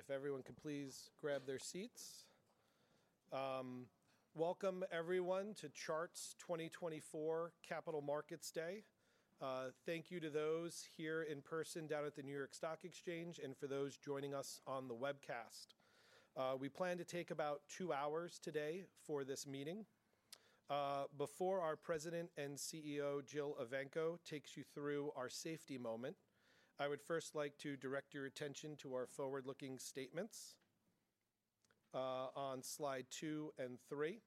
All right, if everyone can please grab their seats. Welcome, everyone, to Chart's 2024 Capital Markets Day. Thank you to those here in person down at the New York Stock Exchange and for those joining us on the webcast. We plan to take about two hours today for this meeting. Before our President and CEO, Jill Evanko, takes you through our safety moment, I would first like to direct your attention to our forward-looking statements on slide two and three.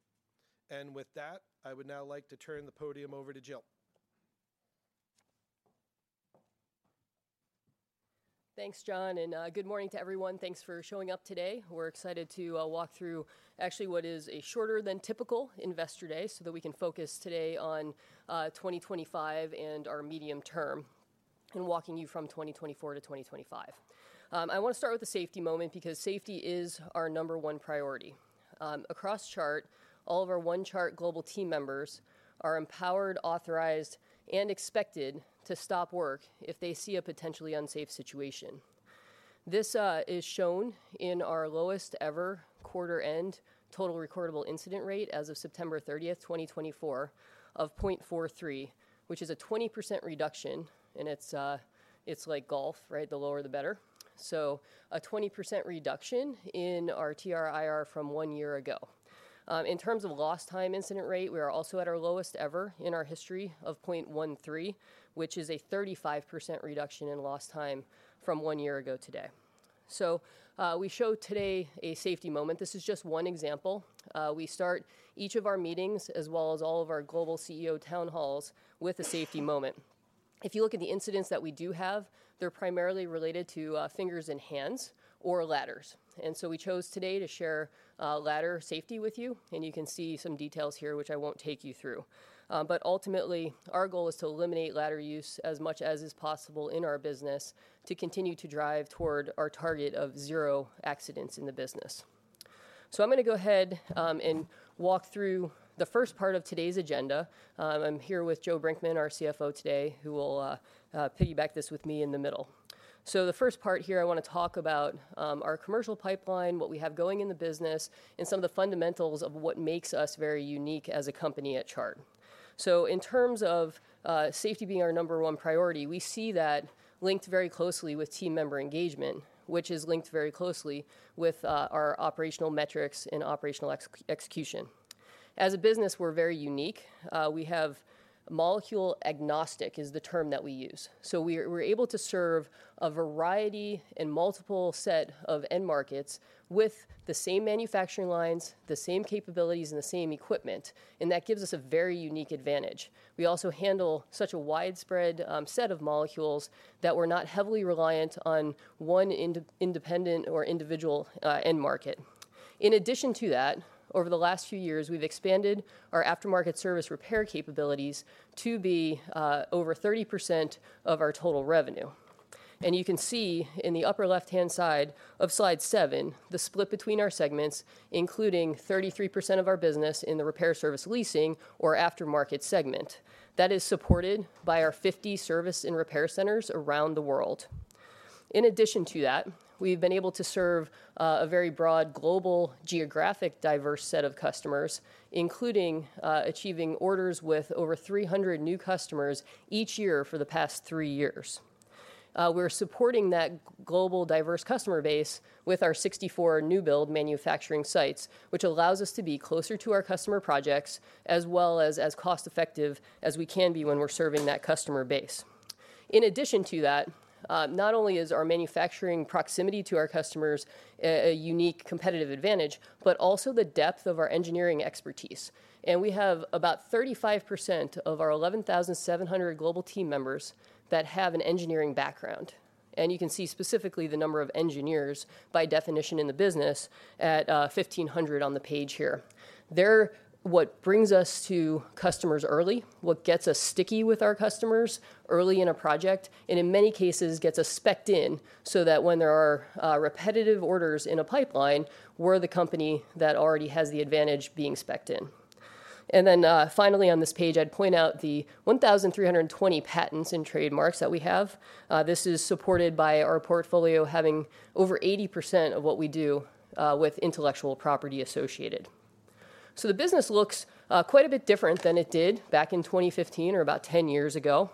With that, I would now like to turn the podium over to Jill. Thanks, John. And good morning to everyone. Thanks for showing up today. We're excited to walk through, actually, what is a shorter-than-typical investor day so that we can focus today on 2025 and our medium term and walking you from 2024 to 2025. I want to start with the safety moment because safety is our number one priority. Across Chart, all of our One Chart Global team members are empowered, authorized, and expected to stop work if they see a potentially unsafe situation. This is shown in our lowest-ever quarter-end total recordable incident rate as of September 30, 2024, of 0.43, which is a 20% reduction. And it's like golf, right? The lower, the better. So a 20% reduction in our TRIR from one year ago. In terms of lost-time incident rate, we are also at our lowest ever in our history of 0.13, which is a 35% reduction in lost-time from one year ago today, so we show today a safety moment. This is just one example. We start each of our meetings, as well as all of our global CEO town halls, with a safety moment. If you look at the incidents that we do have, they're primarily related to fingers and hands or ladders, and so we chose today to share ladder safety with you, and you can see some details here, which I won't take you through, but ultimately, our goal is to eliminate ladder use as much as is possible in our business to continue to drive toward our target of zero accidents in the business, so I'm going to go ahead and walk through the first part of today's agenda. I'm here with Joe Brinkman, our CFO today, who will piggyback this with me in the middle. So the first part here, I want to talk about our commercial pipeline, what we have going in the business, and some of the fundamentals of what makes us very unique as a company at Chart. So in terms of safety being our number one priority, we see that linked very closely with team member engagement, which is linked very closely with our operational metrics and operational execution. As a business, we're very unique. We have molecule agnostic is the term that we use. So we're able to serve a variety and multiple sets of end markets with the same manufacturing lines, the same capabilities, and the same equipment. And that gives us a very unique advantage. We also handle such a widespread set of molecules that we're not heavily reliant on one independent or individual end market. In addition to that, over the last few years, we've expanded our aftermarket service repair capabilities to be over 30% of our total revenue. And you can see in the upper left-hand side of slide seven, the split between our segments, including 33% of our business in the repair service leasing or aftermarket segment. That is supported by our 50 service and repair centers around the world. In addition to that, we've been able to serve a very broad global geographic diverse set of customers, including achieving orders with over 300 new customers each year for the past three years. We're supporting that global diverse customer base with our 64 new build manufacturing sites, which allows us to be closer to our customer projects as well as cost-effective as we can be when we're serving that customer base. In addition to that, not only is our manufacturing proximity to our customers a unique competitive advantage, but also the depth of our engineering expertise. We have about 35% of our 11,700 global team members that have an engineering background. You can see specifically the number of engineers by definition in the business at 1,500 on the page here. They're what brings us to customers early, what gets us sticky with our customers early in a project, and in many cases gets us specked in so that when there are repetitive orders in a pipeline, we're the company that already has the advantage being specked in. Then finally, on this page, I'd point out the 1,320 patents and trademarks that we have. This is supported by our portfolio having over 80% of what we do with intellectual property associated. So the business looks quite a bit different than it did back in 2015 or about 10 years ago.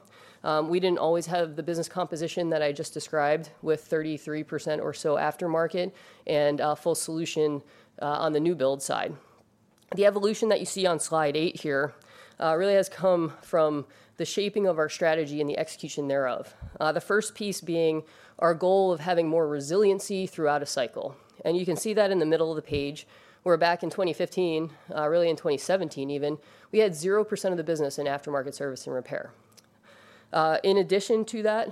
We didn't always have the business composition that I just described with 33% or so aftermarket and full solution on the new build side. The evolution that you see on slide eight here really has come from the shaping of our strategy and the execution thereof. The first piece being our goal of having more resiliency throughout a cycle. You can see that in the middle of the page. We're back in 2015. Really in 2017 even, we had 0% of the business in aftermarket service and repair. In addition to that,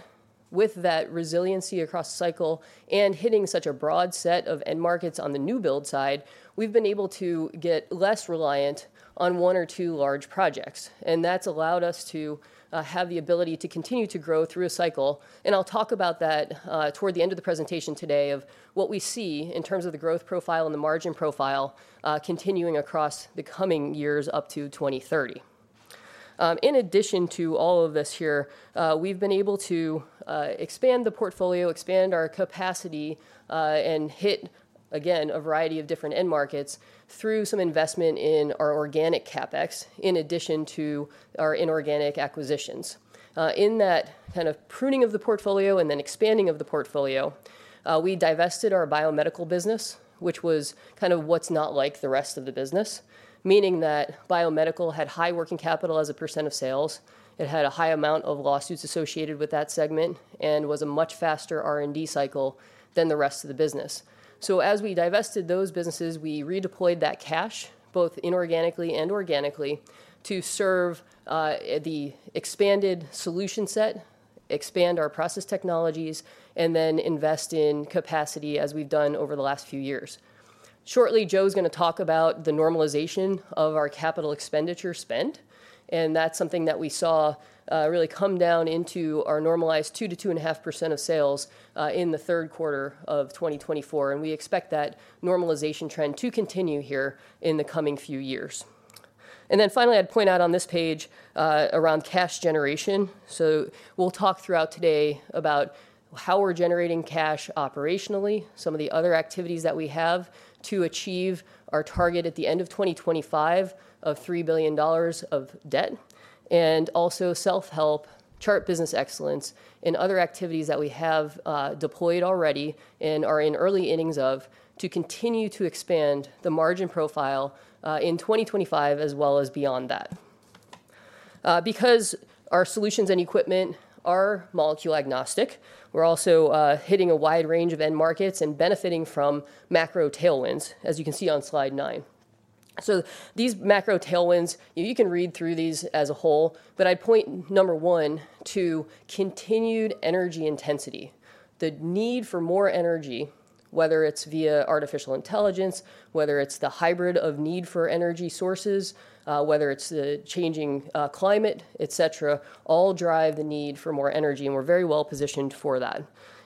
with that resiliency across the cycle and hitting such a broad set of end markets on the new build side, we've been able to get less reliant on one or two large projects. And that's allowed us to have the ability to continue to grow through a cycle. And I'll talk about that toward the end of the presentation today of what we see in terms of the growth profile and the margin profile continuing across the coming years up to 2030. In addition to all of this here, we've been able to expand the portfolio, expand our capacity, and hit, again, a variety of different end markets through some investment in our organic CapEx in addition to our inorganic acquisitions. In that kind of pruning of the portfolio and then expanding of the portfolio, we divested our biomedical business, which was kind of what's not like the rest of the business, meaning that biomedical had high working capital as a percent of sales. It had a high amount of lawsuits associated with that segment and was a much faster R&D cycle than the rest of the business. So as we divested those businesses, we redeployed that cash both inorganically and organically to serve the expanded solution set, expand our process technologies, and then invest in capacity as we've done over the last few years. Shortly, Joe is going to talk about the normalization of our capital expenditure spent, and that's something that we saw really come down into our normalized 2%-2.5% of sales in the third quarter of 2024. We expect that normalization trend to continue here in the coming few years. And then finally, I'd point out on this page around cash generation. So we'll talk throughout today about how we're generating cash operationally, some of the other activities that we have to achieve our target at the end of 2025 of $3 billion of debt, and also self-help, Chart Business Excellence, and other activities that we have deployed already and are in early innings of to continue to expand the margin profile in 2025 as well as beyond that. Because our solutions and equipment are molecule agnostic, we're also hitting a wide range of end markets and benefiting from macro tailwinds, as you can see on slide nine. So these macro tailwinds, you can read through these as a whole, but I'd point number one to continued energy intensity, the need for more energy, whether it's via artificial intelligence, whether it's the hybrid of need for energy sources, whether it's the changing climate, et cetera, all drive the need for more energy. And we're very well positioned for that.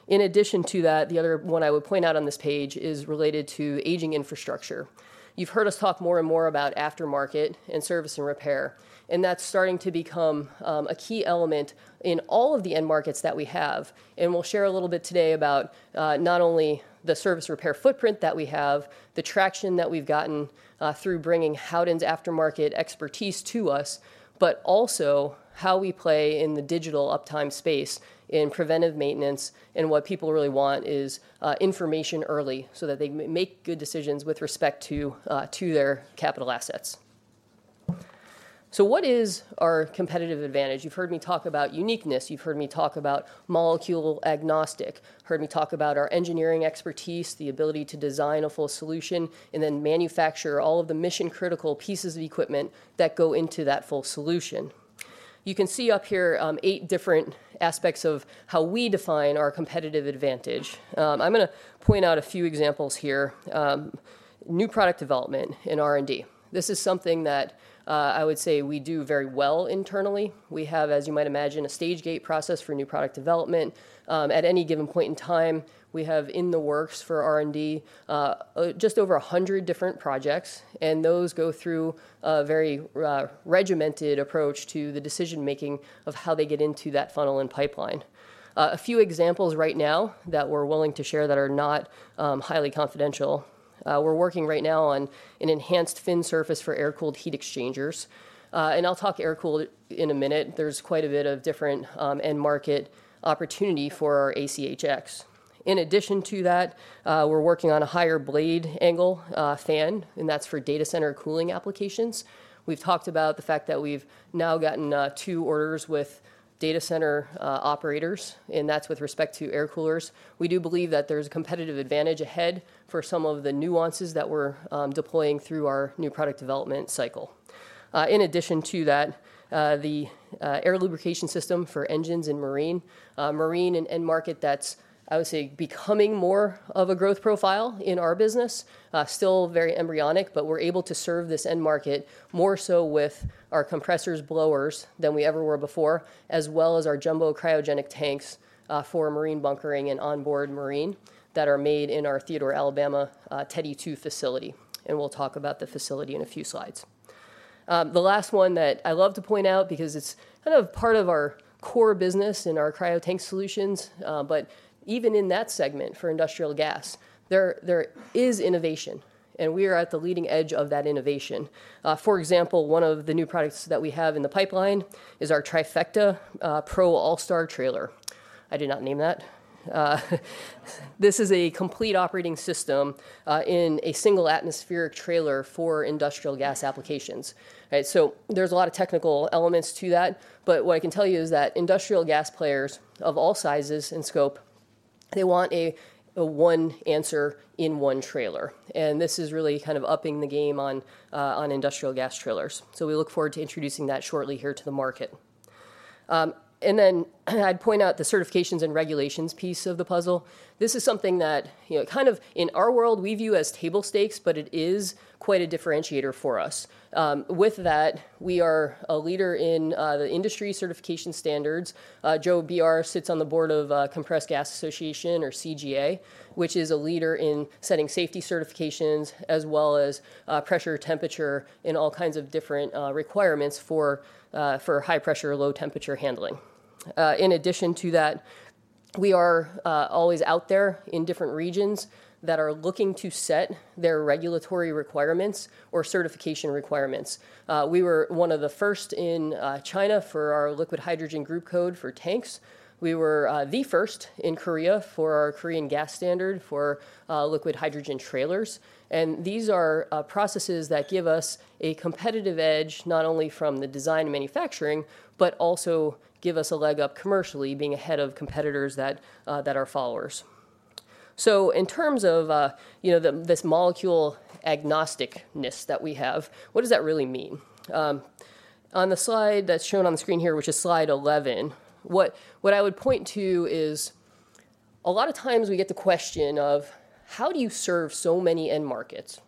In addition to that, the other one I would point out on this page is related to aging infrastructure. You've heard us talk more and more about aftermarket and service and repair. And that's starting to become a key element in all of the end markets that we have. We'll share a little bit today about not only the service repair footprint that we have, the traction that we've gotten through bringing Howden's aftermarket expertise to us, but also how we play in the digital uptime space in preventive maintenance and what people really want is information early so that they make good decisions with respect to their capital assets. What is our competitive advantage? You've heard me talk about uniqueness. You've heard me talk about molecule agnostic. You've heard me talk about our engineering expertise, the ability to design a full solution, and then manufacture all of the mission-critical pieces of equipment that go into that full solution. You can see up here eight different aspects of how we define our competitive advantage. I'm going to point out a few examples here. New product development and R&D. This is something that I would say we do very well internally. We have, as you might imagine, a stage gate process for new product development. At any given point in time, we have in the works for R&D just over 100 different projects, and those go through a very regimented approach to the decision-making of how they get into that funnel and pipeline. A few examples right now that we're willing to share that are not highly confidential. We're working right now on an enhanced fin surface for air-cooled heat exchangers, and I'll talk air-cooled in a minute. There's quite a bit of different end market opportunity for our ACHX. In addition to that, we're working on a higher blade angle fan, and that's for data center cooling applications. We've talked about the fact that we've now gotten two orders with data center operators, and that's with respect to air coolers. We do believe that there's a competitive advantage ahead for some of the nuances that we're deploying through our new product development cycle. In addition to that, the air lubrication system for engines and marine, marine and end market, that's, I would say, becoming more of a growth profile in our business, still very embryonic, but we're able to serve this end market more so with our compressors, blowers than we ever were before, as well as our jumbo cryogenic tanks for marine bunkering and onboard marine that are made in our Theodore, Alabama Teddy 2 facility. We'll talk about the facility in a few slides. The last one that I love to point out because it's kind of part of our core business in our cryo tank solutions, but even in that segment for industrial gas, there is innovation. And we are at the leading edge of that innovation. For example, one of the new products that we have in the pipeline is our Trifecta Pro All-Star Trailer. I did not name that. This is a complete operating system in a single atmospheric trailer for industrial gas applications. So there's a lot of technical elements to that. But what I can tell you is that industrial gas players of all sizes and scope, they want a one answer in one trailer. And this is really kind of upping the game on industrial gas trailers. So we look forward to introducing that shortly here to the market. And then I'd point out the certifications and regulations piece of the puzzle. This is something that kind of in our world, we view as table stakes, but it is quite a differentiator for us. With that, we are a leader in the industry certification standards. Joe Belling sits on the board of Compressed Gas Association, or CGA, which is a leader in setting safety certifications as well as pressure, temperature, and all kinds of different requirements for high pressure, low temperature handling. In addition to that, we are always out there in different regions that are looking to set their regulatory requirements or certification requirements. We were one of the first in China for our liquid hydrogen group code for tanks. We were the first in Korea for our Korean Gas Standard for liquid hydrogen trailers. These are processes that give us a competitive edge not only from the design manufacturing, but also give us a leg up commercially, being ahead of competitors that are followers. In terms of this molecule agnosticness that we have, what does that really mean? On the slide that's shown on the screen here, which is slide 11, what I would point to is a lot of times we get the question of, how do you serve so many end markets?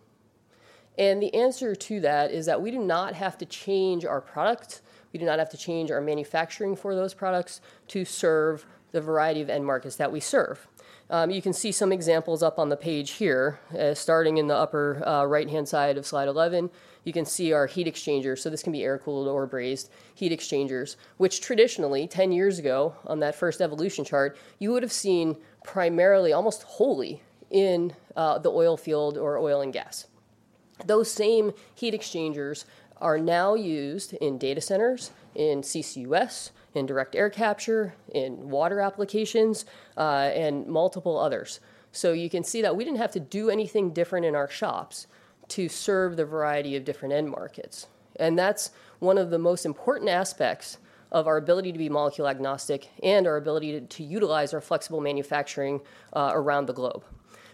And the answer to that is that we do not have to change our product. We do not have to change our manufacturing for those products to serve the variety of end markets that we serve. You can see some examples up on the page here. Starting in the upper right-hand side of slide 11, you can see our heat exchangers. So this can be air-cooled or brazed heat exchangers, which traditionally, 10 years ago on that first evolution chart, you would have seen primarily almost wholly in the oil field or oil and gas. Those same heat exchangers are now used in data centers, in CCUS, in direct air capture, in water applications, and multiple others. So you can see that we didn't have to do anything different in our shops to serve the variety of different end markets. And that's one of the most important aspects of our ability to be molecule agnostic and our ability to utilize our flexible manufacturing around the globe.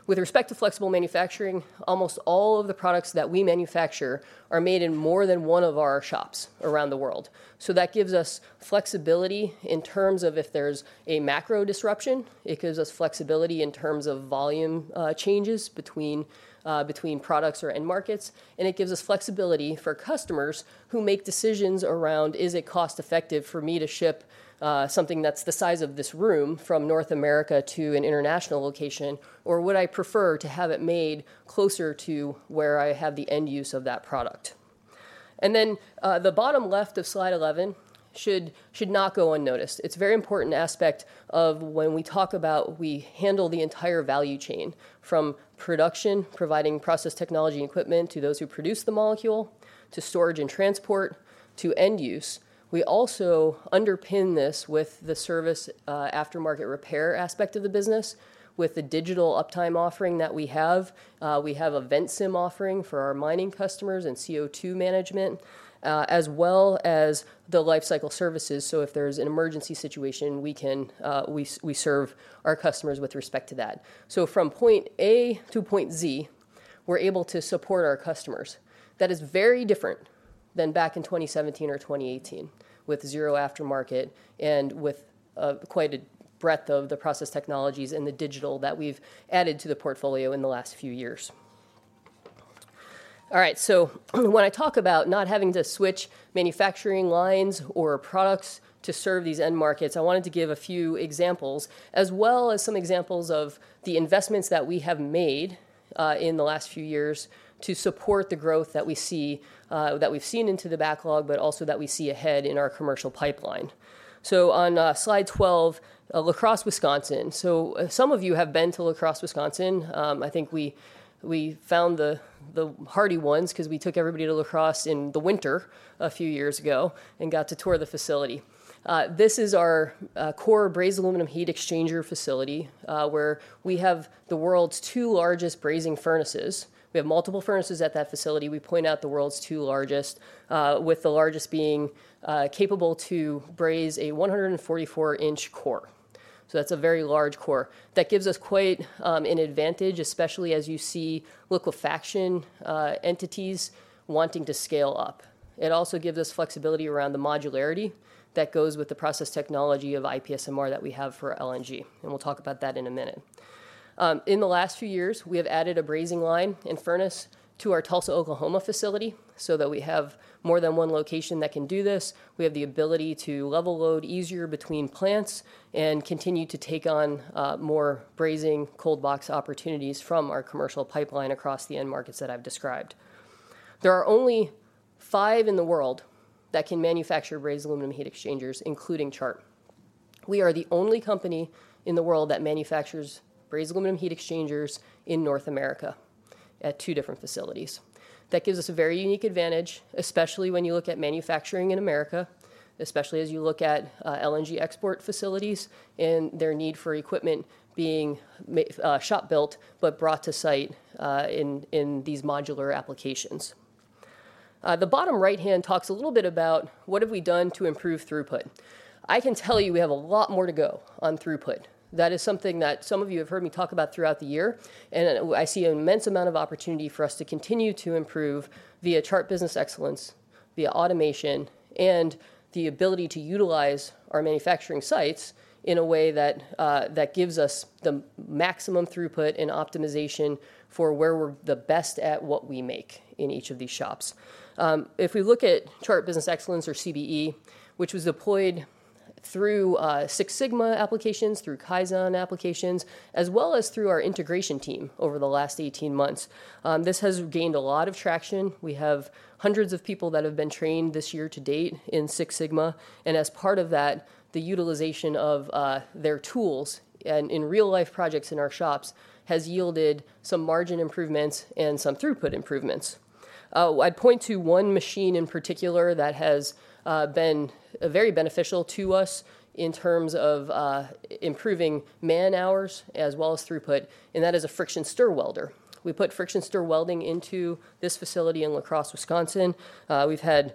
With respect to flexible manufacturing, almost all of the products that we manufacture are made in more than one of our shops around the world. So that gives us flexibility in terms of if there's a macro disruption, it gives us flexibility in terms of volume changes between products or end markets. And it gives us flexibility for customers who make decisions around, is it cost-effective for me to ship something that's the size of this room from North America to an international location, or would I prefer to have it made closer to where I have the end use of that product? And then the bottom left of slide 11 should not go unnoticed. It's a very important aspect of when we talk about we handle the entire value chain from production, providing process technology and equipment to those who produce the molecule, to storage and transport, to end use. We also underpin this with the service aftermarket repair aspect of the business with the digital uptime offering that we have. We have a Ventsim offering for our mining customers and CO2 management, as well as the lifecycle services, so if there's an emergency situation, we serve our customers with respect to that, so from point A to point Z, we're able to support our customers. That is very different than back in 2017 or 2018 with zero aftermarket and with quite a breadth of the process technologies and the digital that we've added to the portfolio in the last few years. All right, when I talk about not having to switch manufacturing lines or products to serve these end markets, I wanted to give a few examples as well as some examples of the investments that we have made in the last few years to support the growth that we see that we've seen into the backlog, but also that we see ahead in our commercial pipeline. On slide 12, La Crosse, Wisconsin. Some of you have been to La Crosse, Wisconsin. I think we found the hardy ones because we took everybody to La Crosse in the winter a few years ago and got to tour the facility. This is our core brazed aluminum heat exchanger facility where we have the world's two largest brazing furnaces. We have multiple furnaces at that facility. We point out the world's two largest, with the largest being capable to braze a 144-inch core. That's a very large core. That gives us quite an advantage, especially as you see liquefaction entities wanting to scale up. It also gives us flexibility around the modularity that goes with the process technology of IPSMR that we have for LNG. We'll talk about that in a minute. In the last few years, we have added a brazing line and furnace to our Tulsa, Oklahoma facility so that we have more than one location that can do this. We have the ability to level load easier between plants and continue to take on more brazing cold box opportunities from our commercial pipeline across the end markets that I've described. There are only five in the world that can manufacture brazed aluminum heat exchangers, including Chart. We are the only company in the world that manufactures brazed aluminum heat exchangers in North America at two different facilities. That gives us a very unique advantage, especially when you look at manufacturing in America, especially as you look at LNG export facilities and their need for equipment being shop-built but brought to site in these modular applications. The bottom right-hand talks a little bit about what have we done to improve throughput. I can tell you we have a lot more to go on throughput. That is something that some of you have heard me talk about throughout the year. And I see an immense amount of opportunity for us to continue to improve via Chart Business Excellence, via automation, and the ability to utilize our manufacturing sites in a way that gives us the maximum throughput and optimization for where we're the best at what we make in each of these shops. If we look at Chart Business Excellence or CBE, which was deployed through Six Sigma applications, through Kaizen applications, as well as through our integration team over the last 18 months, this has gained a lot of traction. We have hundreds of people that have been trained this year to date in Six Sigma. As part of that, the utilization of their tools and in real-life projects in our shops has yielded some margin improvements and some throughput improvements. I'd point to one machine in particular that has been very beneficial to us in terms of improving man hours as well as throughput, and that is a friction stir welder. We put friction stir welding into this facility in La Crosse, Wisconsin. We've had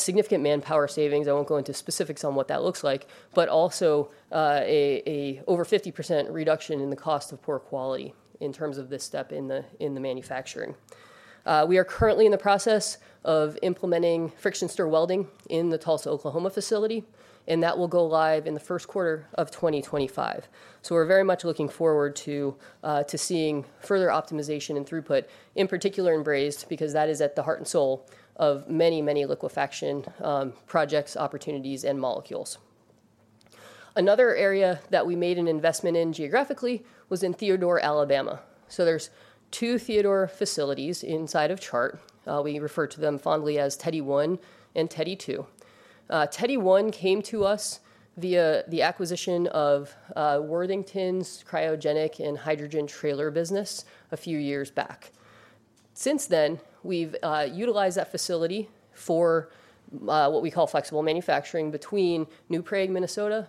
significant manpower savings. I won't go into specifics on what that looks like, but also an over 50% reduction in the cost of poor quality in terms of this step in the manufacturing. We are currently in the process of implementing friction stir welding in the Tulsa, Oklahoma facility, and that will go live in the first quarter of 2025. We're very much looking forward to seeing further optimization and throughput, in particular in brazed, because that is at the heart and soul of many, many liquefaction projects, opportunities, and molecules. Another area that we made an investment in geographically was in Theodore, Alabama. So there's two Theodore facilities inside of Chart. We refer to them fondly as Teddy One and Teddy Two. Teddy One came to us via the acquisition of Worthington's cryogenic and hydrogen trailer business a few years back. Since then, we've utilized that facility for what we call flexible manufacturing between New Prague, Minnesota,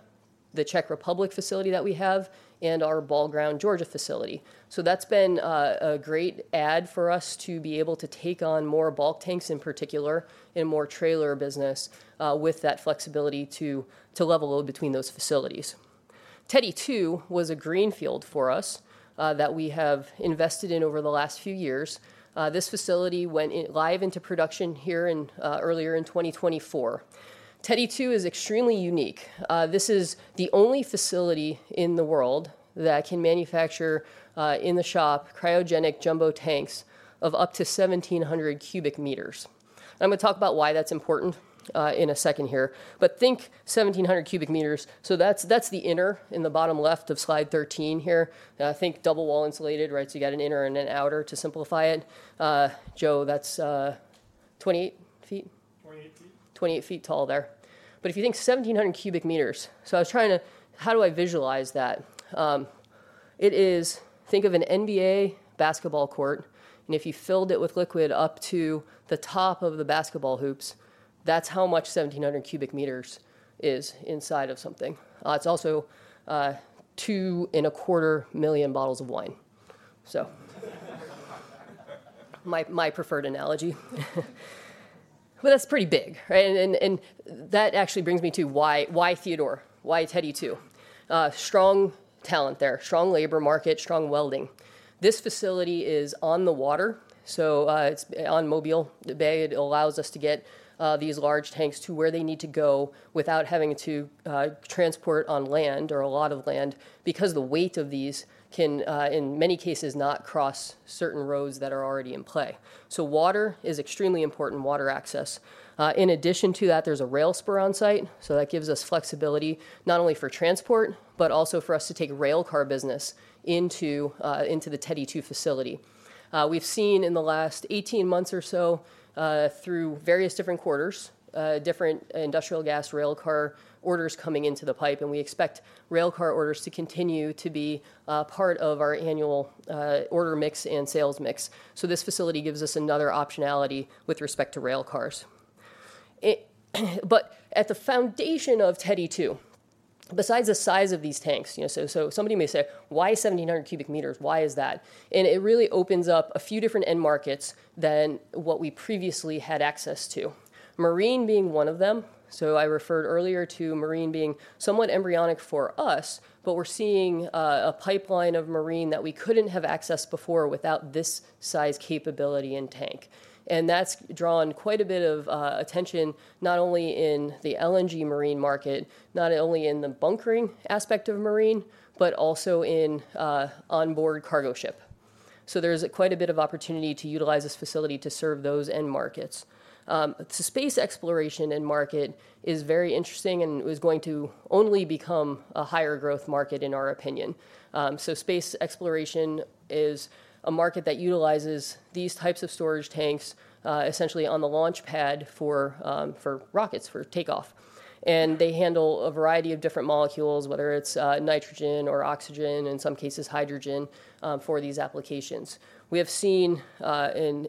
the Czech Republic facility that we have, and our Ball Ground, Georgia facility. So that's been a great add for us to be able to take on more bulk tanks in particular in a more trailer business with that flexibility to level load between those facilities. Teddy Two was a greenfield for us that we have invested in over the last few years. This facility went live into production here earlier in 2024. Teddy Two is extremely unique. This is the only facility in the world that can manufacture in the shop cryogenic jumbo tanks of up to 1,700 cubic meters. I'm going to talk about why that's important in a second here. But think 1,700 cubic meters. So that's the inner in the bottom left of slide 13 here. I think double wall insulated, right? So you got an inner and an outer to simplify it. Joe, that's 28 feet? 28 feet. 28 feet tall there. But if you think 1,700 cubic meters, so I was trying to how do I visualize that? Think of an NBA basketball court. And if you filled it with liquid up to the top of the basketball hoops, that's how much 1,700 cubic meters is inside of something. It's also two and a quarter million bottles of wine, so my preferred analogy. But that's pretty big, right? And that actually brings me to why Theodore, why Teddy 2. Strong talent there, strong labor market, strong welding. This facility is on the water, so it's on Mobile. It allows us to get these large tanks to where they need to go without having to transport on land or a lot of land because the weight of these can, in many cases, not cross certain roads that are already in play. So water is extremely important, water access. In addition to that, there's a rail spur on site. So that gives us flexibility not only for transport, but also for us to take rail car business into the Teddy 2 facility. We've seen in the last 18 months or so through various different quarters, different industrial gas rail car orders coming into the pipe. And we expect rail car orders to continue to be part of our annual order mix and sales mix. So this facility gives us another optionality with respect to rail cars. But at the foundation of Teddy 2, besides the size of these tanks, so somebody may say, why 1,700 cubic meters? Why is that? And it really opens up a few different end markets than what we previously had access to, marine being one of them. So I referred earlier to marine being somewhat embryonic for us, but we're seeing a pipeline of marine that we couldn't have accessed before without this size capability in tank. And that's drawn quite a bit of attention not only in the LNG marine market, not only in the bunkering aspect of marine, but also in onboard cargo ship. So there's quite a bit of opportunity to utilize this facility to serve those end markets. Space exploration and market is very interesting and is going to only become a higher growth market in our opinion. So space exploration is a market that utilizes these types of storage tanks essentially on the launch pad for rockets for takeoff. And they handle a variety of different molecules, whether it's nitrogen or oxygen, in some cases hydrogen for these applications. We have seen an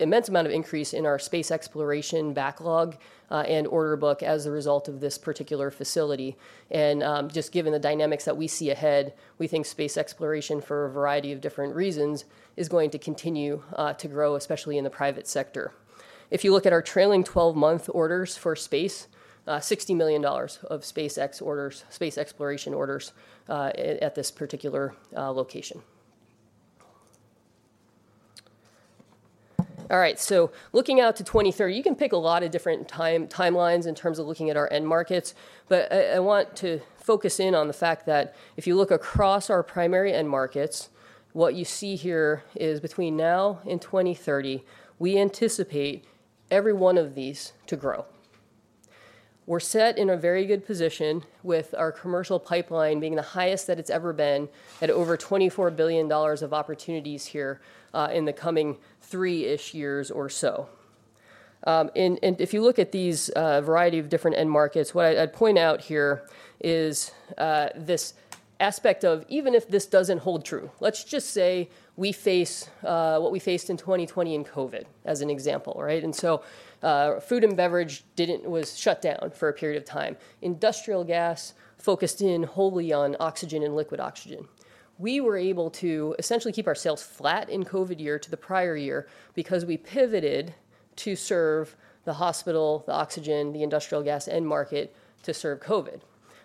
immense amount of increase in our space exploration backlog and order book as a result of this particular facility. And just given the dynamics that we see ahead, we think space exploration for a variety of different reasons is going to continue to grow, especially in the private sector. If you look at our trailing 12-month orders for space, $60 million of space exploration orders at this particular location. All right. So looking out to 2030, you can pick a lot of different timelines in terms of looking at our end markets. But I want to focus in on the fact that if you look across our primary end markets, what you see here is between now and 2030, we anticipate every one of these to grow. We're set in a very good position with our commercial pipeline being the highest that it's ever been at over $24 billion of opportunities here in the coming three-ish years or so. And if you look at these variety of different end markets, what I'd point out here is this aspect of even if this doesn't hold true, let's just say we face what we faced in 2020 in COVID as an example, right? And so food and beverage was shut down for a period of time. Industrial gas focused in wholly on oxygen and liquid oxygen. We were able to essentially keep ourselves flat in COVID year to the prior year because we pivoted to serve the hospital, the oxygen, the industrial gas end market to serve COVID.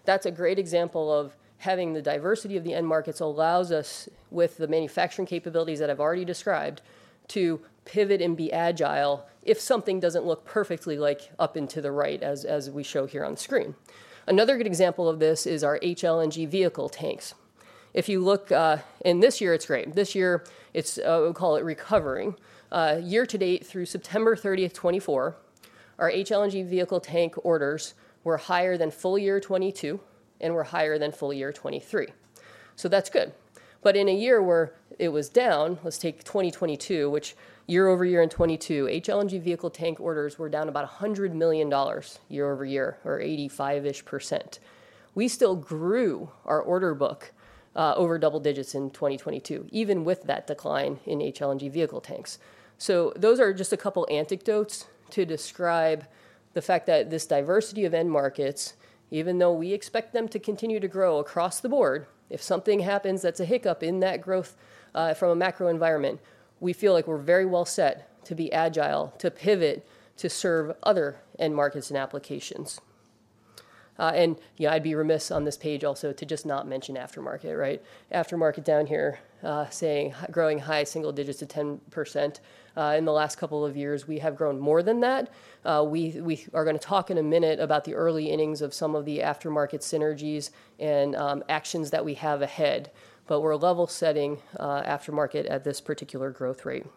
That's a great example of having the diversity of the end markets allows us, with the manufacturing capabilities that I've already described, to pivot and be agile if something doesn't look perfectly like up into the right as we show here on the screen. Another good example of this is our HLNG vehicle tanks. If you look in this year, it's great. This year, we'll call it recovering. Year to date through September 30th, 2024, our HLNG vehicle tank orders were higher than full year 2022 and were higher than full year 2023. So that's good. But in a year where it was down, let's take 2022, which year over year in 2022, HLNG vehicle tank orders were down about $100 million year over year or 85-ish%. We still grew our order book over double digits in 2022, even with that decline in HLNG vehicle tanks. So those are just a couple of anecdotes to describe the fact that this diversity of end markets, even though we expect them to continue to grow across the board, if something happens that's a hiccup in that growth from a macro environment, we feel like we're very well set to be agile to pivot to serve other end markets and applications. And I'd be remiss on this page also to just not mention aftermarket, right? Aftermarket down here saying growing high single digits to 10%. In the last couple of years, we have grown more than that. We are going to talk in a minute about the early innings of some of the aftermarket synergies and actions that we have ahead. But we're level setting aftermarket at this particular growth rate.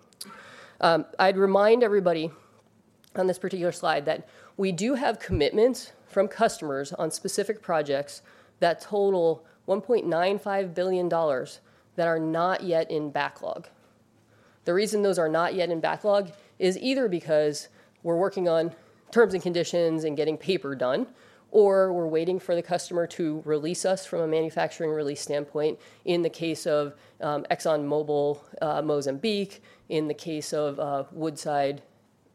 I'd remind everybody on this particular slide that we do have commitments from customers on specific projects that total $1.95 billion that are not yet in backlog. The reason those are not yet in backlog is either because we're working on terms and conditions and getting paper done, or we're waiting for the customer to release us from a manufacturing release standpoint in the case of ExxonMobil Mozambique, in the case of Woodside,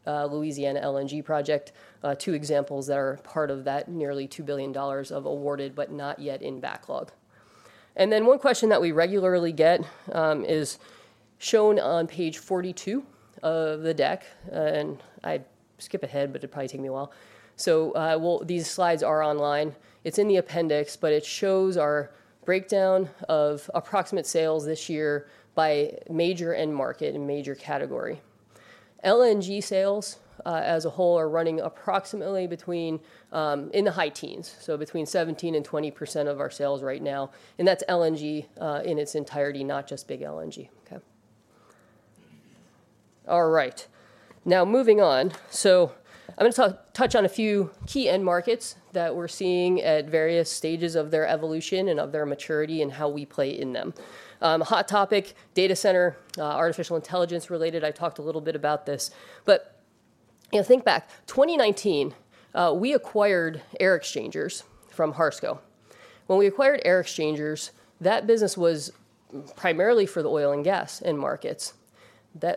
Louisiana LNG project, two examples that are part of that nearly $2 billion of awarded but not yet in backlog. And then one question that we regularly get is shown on page 42 of the deck. And I'd skip ahead, but it'd probably take me a while. So these slides are online. It's in the appendix, but it shows our breakdown of approximate sales this year by major end market and major category. LNG sales as a whole are running approximately between in the high teens, so between 17%-20% of our sales right now, and that's LNG in its entirety, not just big LNG. Okay. All right. Now moving on, so I'm going to touch on a few key end markets that we're seeing at various stages of their evolution and of their maturity and how we play in them. Hot topic, data center, artificial intelligence related. I talked a little bit about this, but think back, 2019, we acquired Air-X-Changers from Harsco. When we acquired Air-X-Changers, that business was primarily for the oil and gas end markets.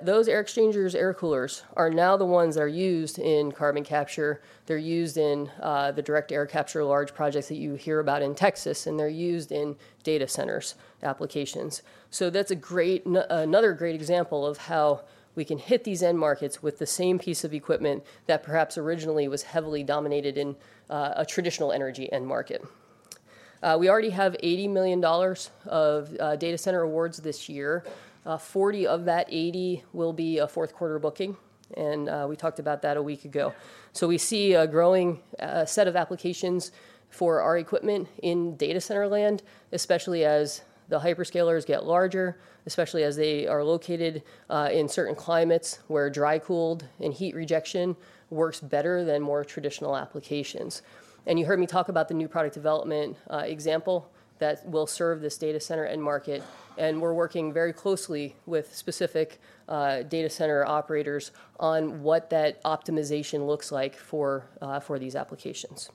Those Air-X-Changers, air coolers are now the ones that are used in carbon capture. They're used in the direct air capture large projects that you hear about in Texas, and they're used in data centers applications. So that's another great example of how we can hit these end markets with the same piece of equipment that perhaps originally was heavily dominated in a traditional energy end market. We already have $80 million of data center awards this year. 40 of that 80 will be a fourth quarter booking. And we talked about that a week ago. So we see a growing set of applications for our equipment in data center land, especially as the hyperscalers get larger, especially as they are located in certain climates where dry cooled and heat rejection works better than more traditional applications. And you heard me talk about the new product development example that will serve this data center end market. And we're working very closely with specific data center operators on what that optimization looks like for these applications.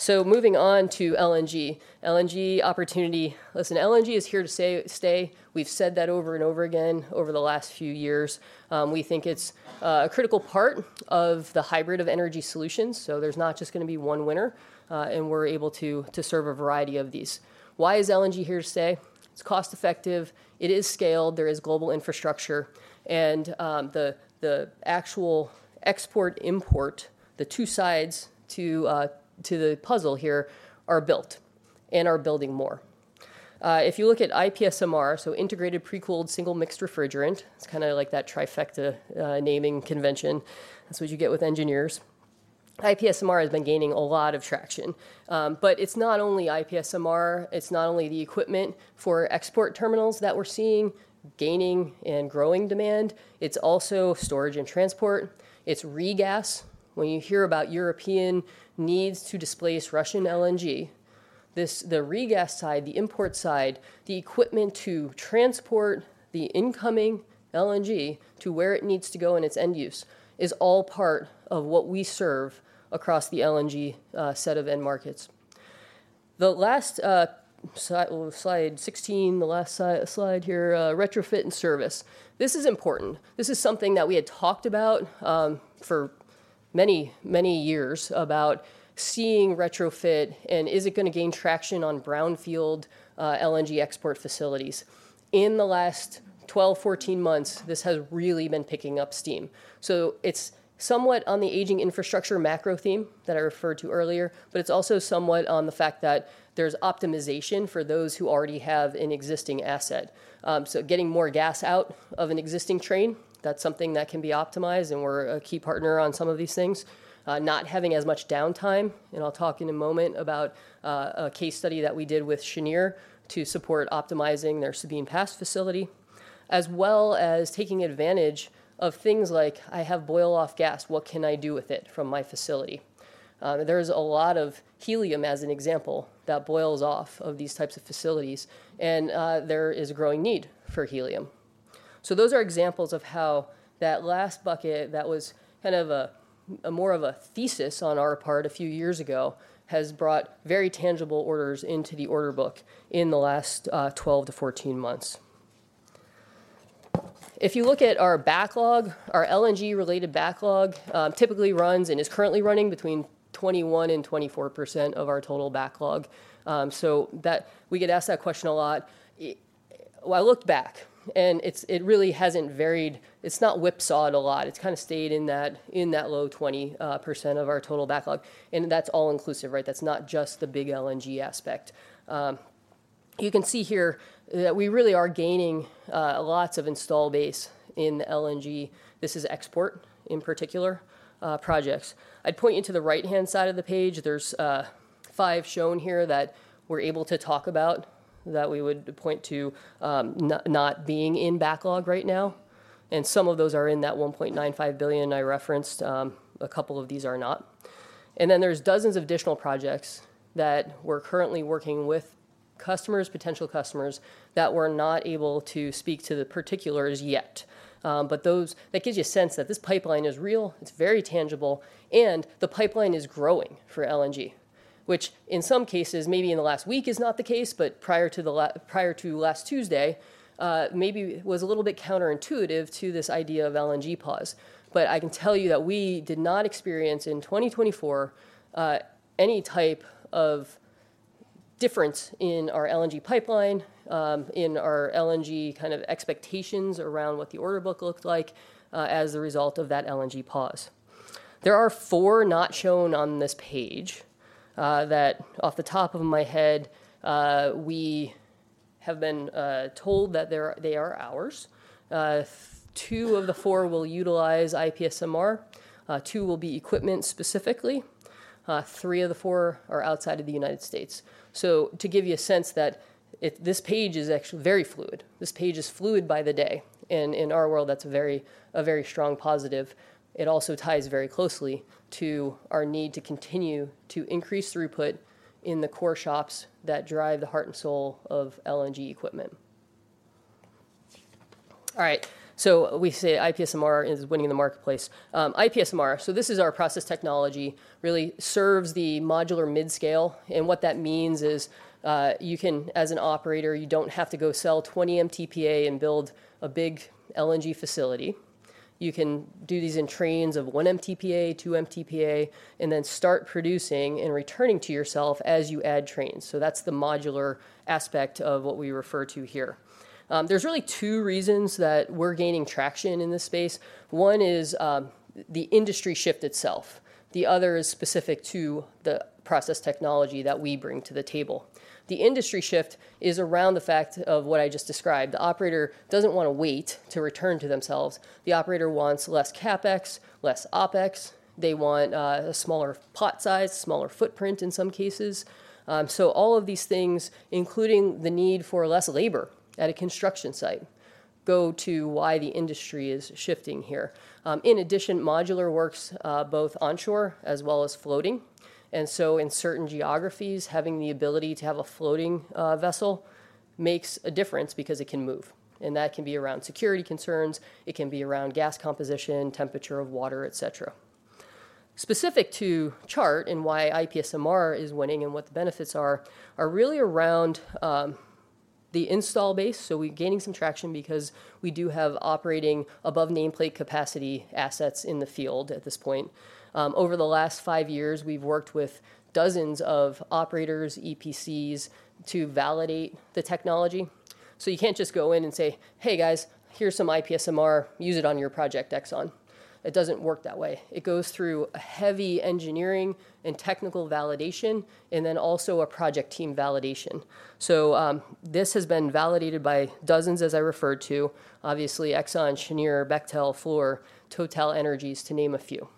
So moving on to LNG, LNG opportunity. Listen, LNG is here to stay. We've said that over and over again over the last few years. We think it's a critical part of the hybrid of energy solutions, so there's not just going to be one winner, and we're able to serve a variety of these. Why is LNG here to stay? It's cost-effective. It is scaled. There is global infrastructure, and the actual export-import, the two sides to the puzzle here are built and are building more. If you look at IPSMR, so Integrated Pre-Cooled Single Mixed Refrigerant, it's kind of like that trifecta naming convention. That's what you get with engineers. IPSMR has been gaining a lot of traction, but it's not only IPSMR. It's not only the equipment for export terminals that we're seeing gaining and growing demand. It's also storage and transport. It's regas. When you hear about European needs to displace Russian LNG, the re-gas side, the import side, the equipment to transport the incoming LNG to where it needs to go and its end use is all part of what we serve across the LNG set of end markets. The last slide, 16, the last slide here, retrofit and service. This is important. This is something that we had talked about for many, many years about seeing retrofit and is it going to gain traction on brownfield LNG export facilities. In the last 12, 14 months, this has really been picking up steam. So it's somewhat on the aging infrastructure macro theme that I referred to earlier, but it's also somewhat on the fact that there's optimization for those who already have an existing asset. So getting more gas out of an existing train, that's something that can be optimized. And we're a key partner on some of these things. Not having as much downtime. And I'll talk in a moment about a case study that we did with Cheniere to support optimizing their Sabine Pass facility, as well as taking advantage of things like, I have boil-off gas. What can I do with it from my facility? There is a lot of helium as an example that boils off of these types of facilities. And there is a growing need for helium. So those are examples of how that last bucket that was kind of more of a thesis on our part a few years ago has brought very tangible orders into the order book in the last 12 to 14 months. If you look at our backlog, our LNG-related backlog typically runs and is currently running between 21% and 24% of our total backlog. So we get asked that question a lot. I looked back, and it really hasn't varied. It's not whipsawed a lot. It's kind of stayed in that low 20% of our total backlog. And that's all-inclusive, right? That's not just the big LNG aspect. You can see here that we really are gaining lots of installed base in LNG. This is export in particular projects. I'd point you to the right-hand side of the page. There's five shown here that we're able to talk about that we would point to not being in backlog right now. And some of those are in that $1.95 billion I referenced. A couple of these are not. And then there's dozens of additional projects that we're currently working with customers, potential customers that we're not able to speak to the particulars yet. But that gives you a sense that this pipeline is real. It's very tangible, and the pipeline is growing for LNG, which in some cases, maybe in the last week is not the case, but prior to last Tuesday, maybe was a little bit counterintuitive to this idea of LNG pause, but I can tell you that we did not experience in 2024 any type of difference in our LNG pipeline, in our LNG kind of expectations around what the order book looked like as a result of that LNG pause. There are four not shown on this page that off the top of my head, we have been told that they are ours. Two of the four will utilize IPSMR. Two will be equipment specifically. Three of the four are outside of the United States, so to give you a sense that this page is actually very fluid. This page is fluid by the day. In our world, that's a very strong positive. It also ties very closely to our need to continue to increase throughput in the core shops that drive the heart and soul of LNG equipment. All right. We say IPSMR is winning the marketplace. IPSMR, so this is our process technology, really serves the modular mid-scale. What that means is you can, as an operator, you don't have to go sell 20 MTPA and build a big LNG facility. You can do these in trains of 1 MTPA, 2 MTPA, and then start producing and returning to yourself as you add trains. That's the modular aspect of what we refer to here. There's really two reasons that we're gaining traction in this space. One is the industry shift itself. The other is specific to the process technology that we bring to the table. The industry shift is around the fact of what I just described. The operator doesn't want to wait to return to themselves. The operator wants less CapEx, less OpEx. They want a smaller pot size, smaller footprint in some cases, so all of these things, including the need for less labor at a construction site, go to why the industry is shifting here. In addition, modular works both onshore as well as floating, and so in certain geographies, having the ability to have a floating vessel makes a difference because it can move, and that can be around security concerns. It can be around gas composition, temperature of water, et cetera. Specific to Chart and why IPSMR is winning and what the benefits are are really around the installed base, so we're gaining some traction because we do have operating above nameplate capacity assets in the field at this point. Over the last five years, we've worked with dozens of operators, EPCs to validate the technology. So you can't just go in and say, "Hey, guys, here's some IPSMR. Use it on your project, Exxon." It doesn't work that way. It goes through heavy engineering and technical validation and then also a project team validation. So this has been validated by dozens, as I referred to, obviously Exxon, Cheniere, Bechtel, Fluor, TotalEnergies, to name a few.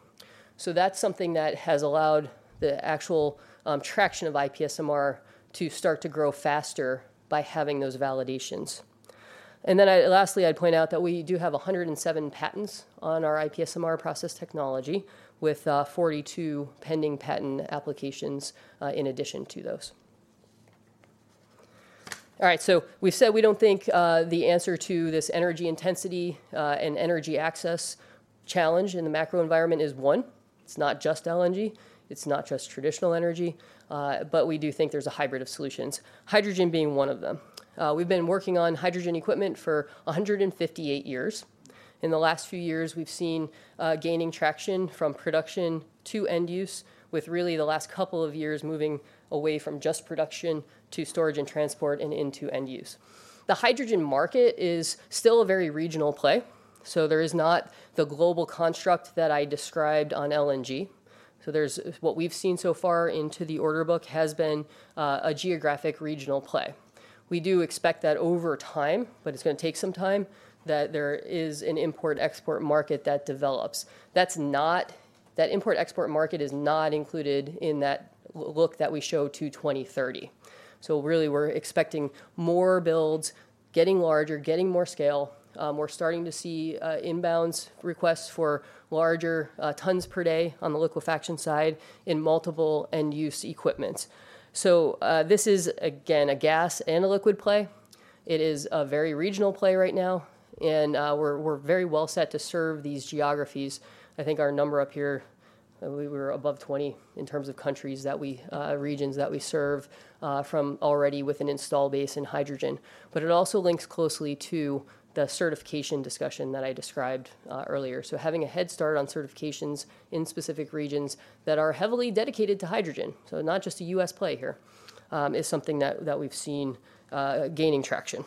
So that's something that has allowed the actual traction of IPSMR to start to grow faster by having those validations. And then lastly, I'd point out that we do have 107 patents on our IPSMR process technology with 42 pending patent applications in addition to those. All right. So we've said we don't think the answer to this energy intensity and energy access challenge in the macro environment is one. It's not just LNG. It's not just traditional energy. But we do think there's a hybrid of solutions, hydrogen being one of them. We've been working on hydrogen equipment for 158 years. In the last few years, we've seen gaining traction from production to end use with really the last couple of years moving away from just production to storage and transport and into end use. The hydrogen market is still a very regional play. So there is not the global construct that I described on LNG. So what we've seen so far into the order book has been a geographic regional play. We do expect that over time, but it's going to take some time that there is an import-export market that develops. That import-export market is not included in that look that we show to 2030. So really, we're expecting more builds, getting larger, getting more scale. We're starting to see inbound requests for larger tons per day on the liquefaction side in multiple end-use equipment. So this is, again, a gas and a liquid play. It is a very regional play right now. And we're very well set to serve these geographies. I think our number up here, we were above 20 in terms of countries that we regions that we serve from already with an install base in hydrogen. But it also links closely to the certification discussion that I described earlier. So having a head start on certifications in specific regions that are heavily dedicated to hydrogen, so not just a U.S. play here, is something that we've seen gaining traction.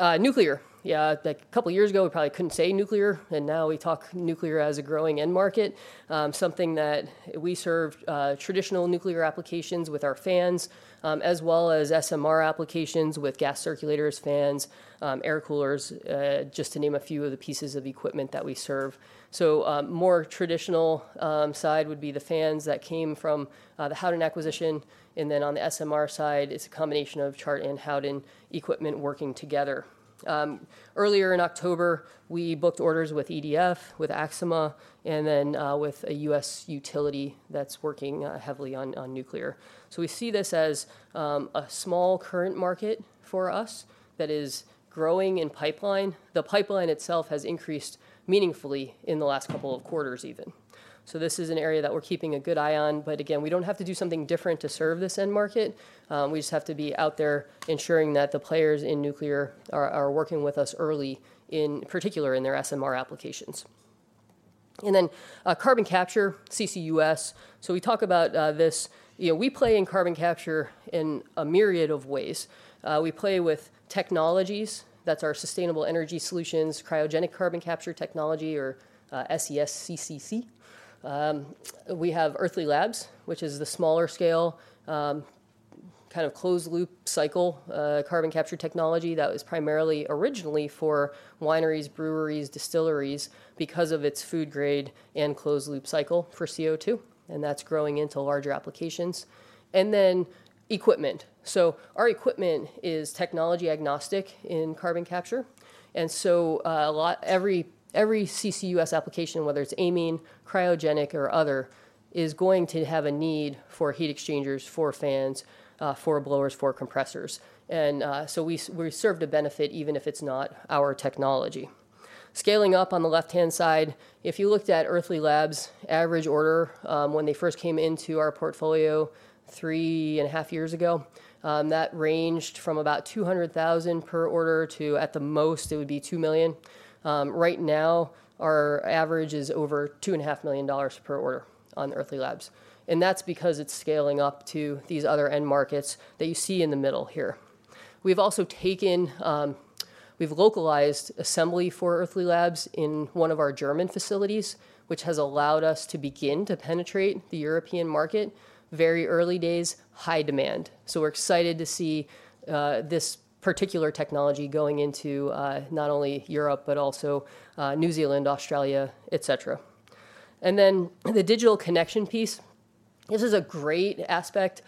Nuclear. A couple of years ago, we probably couldn't say nuclear. And now we talk nuclear as a growing end market, something that we serve traditional nuclear applications with our fans, as well as SMR applications with gas circulators, fans, air coolers, just to name a few of the pieces of equipment that we serve. So more traditional side would be the fans that came from the Howden acquisition. And then on the SMR side, it's a combination of Chart and Howden equipment working together. Earlier in October, we booked orders with EDF, with Axima, and then with a U.S. utility that's working heavily on nuclear. So we see this as a small current market for us that is growing in pipeline. The pipeline itself has increased meaningfully in the last couple of quarters even. So this is an area that we're keeping a good eye on. But again, we don't have to do something different to serve this end market. We just have to be out there ensuring that the players in nuclear are working with us early, in particular in their SMR applications. And then carbon capture, CCUS. So we talk about this. We play in carbon capture in a myriad of ways. We play with technologies. That's our sustainable energy solutions, cryogenic carbon capture technology, or SESCCC. We have Earthly Labs, which is the smaller scale, kind of closed-loop cycle carbon capture technology that was primarily originally for wineries, breweries, distilleries because of its food grade and closed-loop cycle for CO2. And that's growing into larger applications. And then equipment. So our equipment is technology agnostic in carbon capture. And so every CCUS application, whether it's amine, cryogenic, or other, is going to have a need for heat exchangers, for fans, for blowers, for compressors. And so we serve the benefit even if it's not our technology. Scaling up on the left-hand side, if you looked at Earthly Labs, average order when they first came into our portfolio three and a half years ago, that ranged from about $200,000 per order to at the most, it would be $2 million. Right now, our average is over $2.5 million per order on Earthly Labs. And that's because it's scaling up to these other end markets that you see in the middle here. We've also localized assembly for Earthly Labs in one of our German facilities, which has allowed us to begin to penetrate the European market. Very early days, high demand. So we're excited to see this particular technology going into not only Europe, but also New Zealand, Australia, et cetera. And then the digital connection piece. This is a great aspect.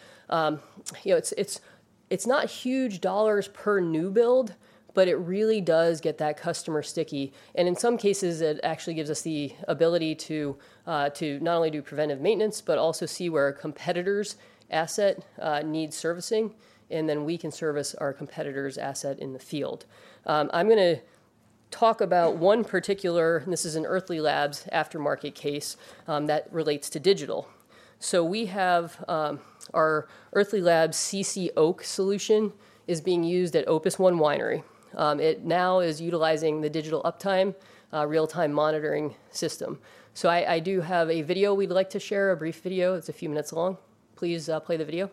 It's not huge dollars per new build, but it really does get that customer sticky. And in some cases, it actually gives us the ability to not only do preventive maintenance, but also see where a competitor's asset needs servicing. And then we can service our competitor's asset in the field. I'm going to talk about one particular, and this is an Earthly Labs aftermarket case that relates to digital. So we have our Earthly Labs CiCi Oak solution is being used at Opus One Winery. It now is utilizing the digital uptime, real-time monitoring system. So I do have a video we'd like to share, a brief video. It's a few minutes long. Please play the video.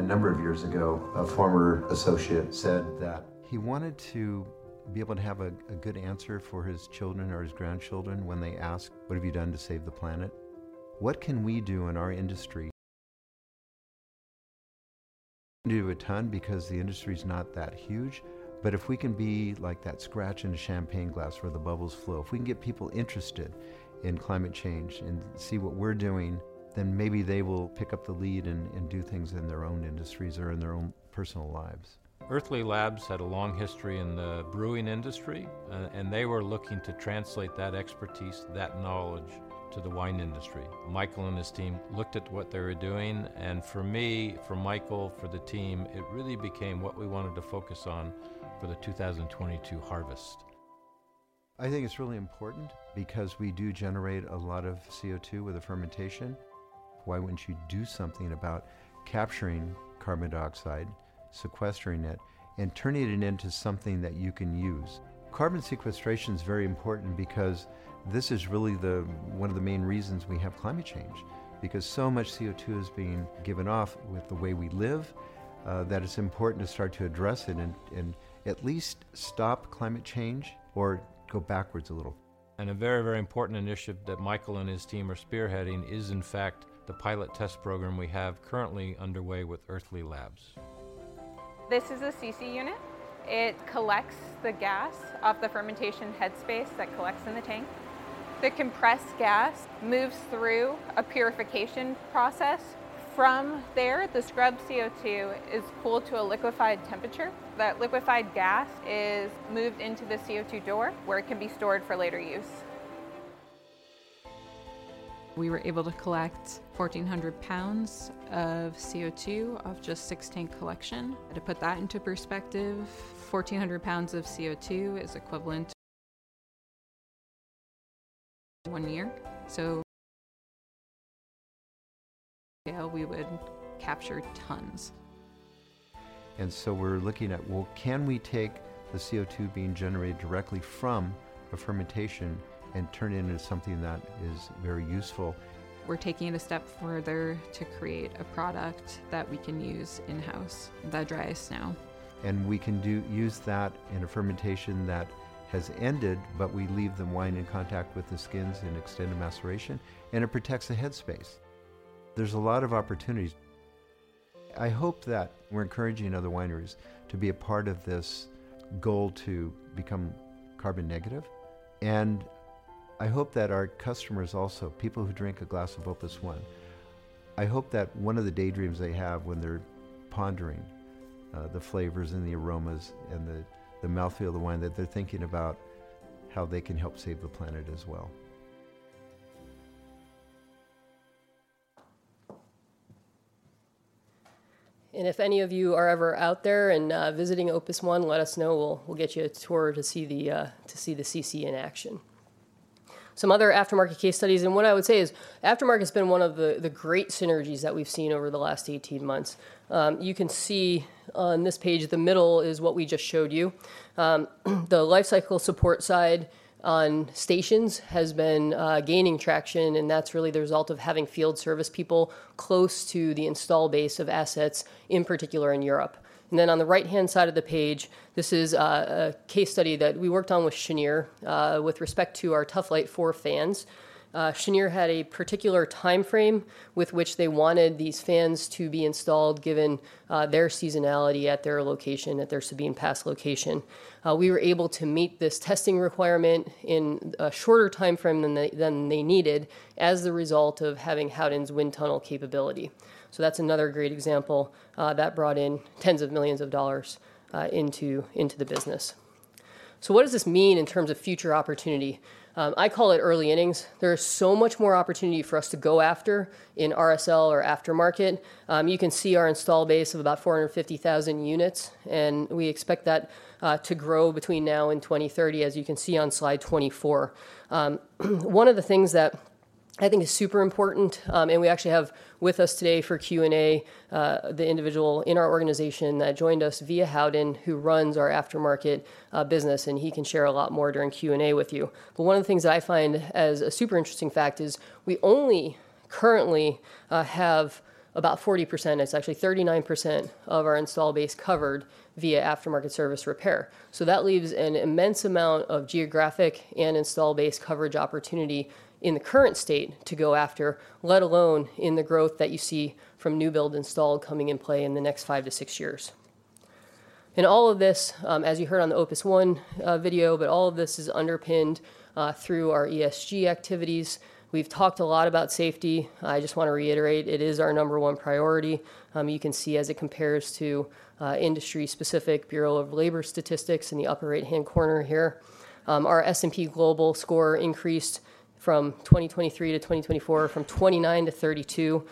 A number of years ago, a former associate said that he wanted to be able to have a good answer for his children or his grandchildren when they ask, "What have you done to save the planet?" What can we do in our industry? We can do a ton because the industry is not that huge. But if we can be like that scratch in a champagne glass where the bubbles flow, if we can get people interested in climate change and see what we're doing, then maybe they will pick up the lead and do things in their own industries or in their own personal lives. Earthly Labs had a long history in the brewing industry, and they were looking to translate that expertise, that knowledge to the wine industry. Michael and his team looked at what they were doing. For me, for Michael, for the team, it really became what we wanted to focus on for the 2022 harvest. I think it's really important because we do generate a lot of CO2 with the fermentation. Why wouldn't you do something about capturing carbon dioxide, sequestering it, and turning it into something that you can use? Carbon sequestration is very important because this is really one of the main reasons we have climate change, because so much CO2 is being given off with the way we live, that it's important to start to address it and at least stop climate change or go backwards a little. A very, very important initiative that Michael and his team are spearheading is, in fact, the pilot test program we have currently underway with Earthly Labs. This is a CiCi unit. It collects the gas off the fermentation headspace that collects in the tank. The compressed gas moves through a purification process. From there, the scrubbed CO2 is cooled to a liquefied temperature. That liquefied gas is moved into the CO2 store where it can be stored for later use. We were able to collect 1,400 pounds of CO2 off just six tank collection. To put that into perspective, 1,400 pounds of CO2 is equivalent to one year, so at that scale, we would capture tons, and so we're looking at, well, can we take the CO2 being generated directly from the fermentation and turn it into something that is very useful? We're taking it a step further to create a product that we can use in-house that dry ice now. And we can use that in a fermentation that has ended, but we leave the wine in contact with the skins and extended maceration, and it protects the headspace. There's a lot of opportunities. I hope that we're encouraging other wineries to be a part of this goal to become carbon negative. And I hope that our customers also, people who drink a glass of Opus One, I hope that one of the daydreams they have when they're pondering the flavors and the aromas and the mouthfeel of the wine, that they're thinking about how they can help save the planet as well. And if any of you are ever out there and visiting Opus One, let us know. We'll get you a tour to see the CC in action. Some other aftermarket case studies. What I would say is aftermarket has been one of the great synergies that we've seen over the last 18 months. You can see on this page, the middle is what we just showed you. The life cycle support side on stations has been gaining traction. That's really the result of having field service people close to the installed base of assets, in particular in Europe. Then on the right-hand side of the page, this is a case study that we worked on with Cheniere with respect to our Tuf-Lite 4 fans. Cheniere had a particular time frame with which they wanted these fans to be installed given their seasonality at their location, at their Sabine Pass location. We were able to meet this testing requirement in a shorter time frame than they needed as the result of having Howden's wind tunnel capability. That's another great example that brought in tens of millions of dollars into the business. What does this mean in terms of future opportunity? I call it early innings. There is so much more opportunity for us to go after in RSL or aftermarket. You can see our installed base of about 450,000 units. We expect that to grow between now and 2030, as you can see on slide 24. One of the things that I think is super important, and we actually have with us today for Q&A the individual in our organization that joined us via Howden, who runs our aftermarket business. He can share a lot more during Q&A with you. One of the things that I find as a super interesting fact is we only currently have about 40%; it's actually 39% of our installed base covered via aftermarket service repair. So that leaves an immense amount of geographic and install base coverage opportunity in the current state to go after, let alone in the growth that you see from new build install coming in play in the next five to six years. And all of this, as you heard on the Opus One video, but all of this is underpinned through our ESG activities. We've talked a lot about safety. I just want to reiterate, it is our number one priority. You can see as it compares to industry-specific Bureau of Labor Statistics in the upper right-hand corner here. Our S&P Global score increased from 2023 to 2024 from 29 to 32,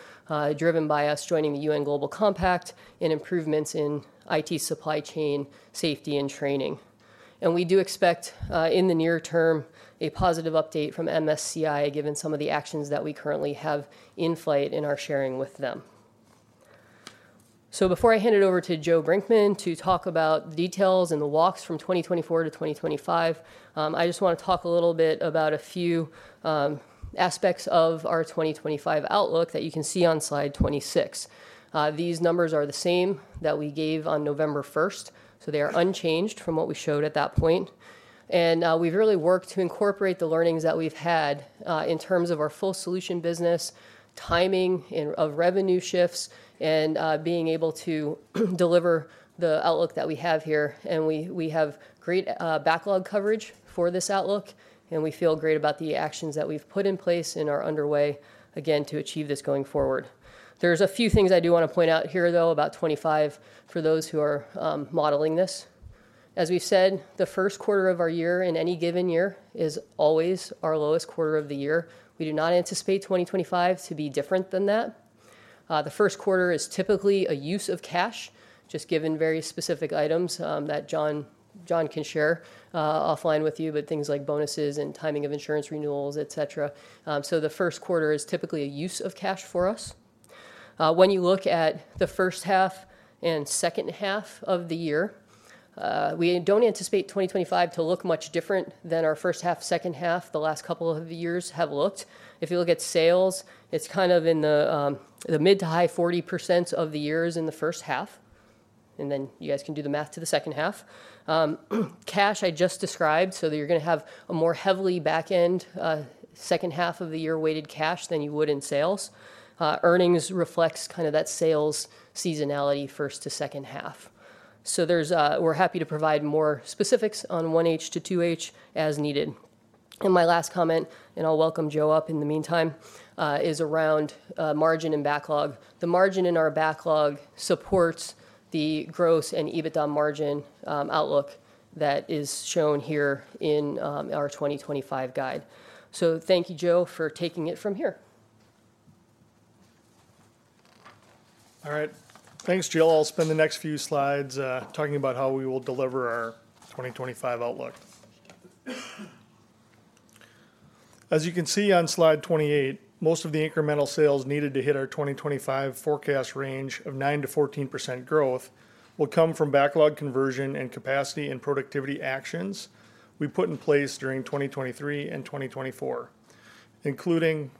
driven by us joining the UN Global Compact and improvements in IT supply chain safety and training. And we do expect in the near term a positive update from MSCI given some of the actions that we currently have in flight in our sharing with them. So before I hand it over to Joe Brinkman to talk about the details and the walks from 2024 to 2025, I just want to talk a little bit about a few aspects of our 2025 outlook that you can see on slide 26. These numbers are the same that we gave on November 1st. So they are unchanged from what we showed at that point. And we've really worked to incorporate the learnings that we've had in terms of our full solution business, timing of revenue shifts, and being able to deliver the outlook that we have here. And we have great backlog coverage for this outlook. We feel great about the actions that we've put in place and are underway again to achieve this going forward. There's a few things I do want to point out here, though, about 2025 for those who are modeling this. As we've said, the first quarter of our year in any given year is always our lowest quarter of the year. We do not anticipate 2025 to be different than that. The first quarter is typically a use of cash, just given very specific items that John can share offline with you, but things like bonuses and timing of insurance renewals, et cetera. The first quarter is typically a use of cash for us. When you look at the first half and second half of the year, we don't anticipate 2025 to look much different than our first half, second half, the last couple of years have looked. If you look at sales, it's kind of in the mid- to high 40% of the years in the first half, and then you guys can do the math to the second half. Cash I just described, so that you're going to have a more heavily back-end second half of the year weighted cash than you would in sales. Earnings reflects kind of that sales seasonality first to second half, so we're happy to provide more specifics on 1H to 2H as needed, and my last comment, and I'll welcome Joe up in the meantime, is around margin and backlog. The margin in our backlog supports the gross and EBITDA margin outlook that is shown here in our 2025 guide, so thank you, Joe, for taking it from here. All right. Thanks, Jill. I'll spend the next few slides talking about how we will deliver our 2025 outlook. As you can see on slide 28, most of the incremental sales needed to hit our 2025 forecast range of 9%-14% growth will come from backlog conversion and capacity and productivity actions we put in place during 2023 and 2024, including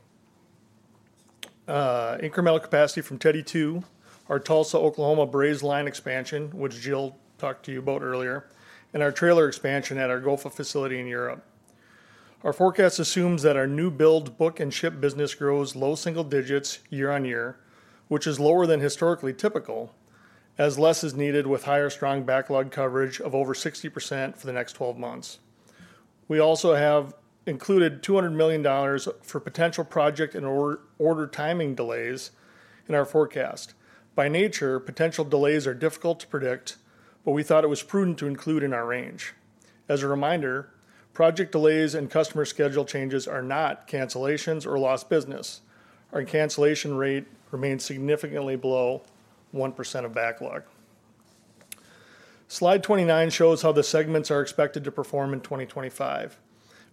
incremental capacity from Teddy 2, our Tulsa, Oklahoma brazing line expansion, which Jill talked to you about earlier, and our trailer expansion at our Ball Ground facility in Georgia. Our forecast assumes that our new build, book, and ship business grows low single digits year on year, which is lower than historically typical, as less is needed with higher strong backlog coverage of over 60% for the next 12 months. We also have included $200 million for potential project and order timing delays in our forecast. By nature, potential delays are difficult to predict, but we thought it was prudent to include in our range. As a reminder, project delays and customer schedule changes are not cancellations or lost business. Our cancellation rate remains significantly below 1% of backlog. Slide 29 shows how the segments are expected to perform in 2025.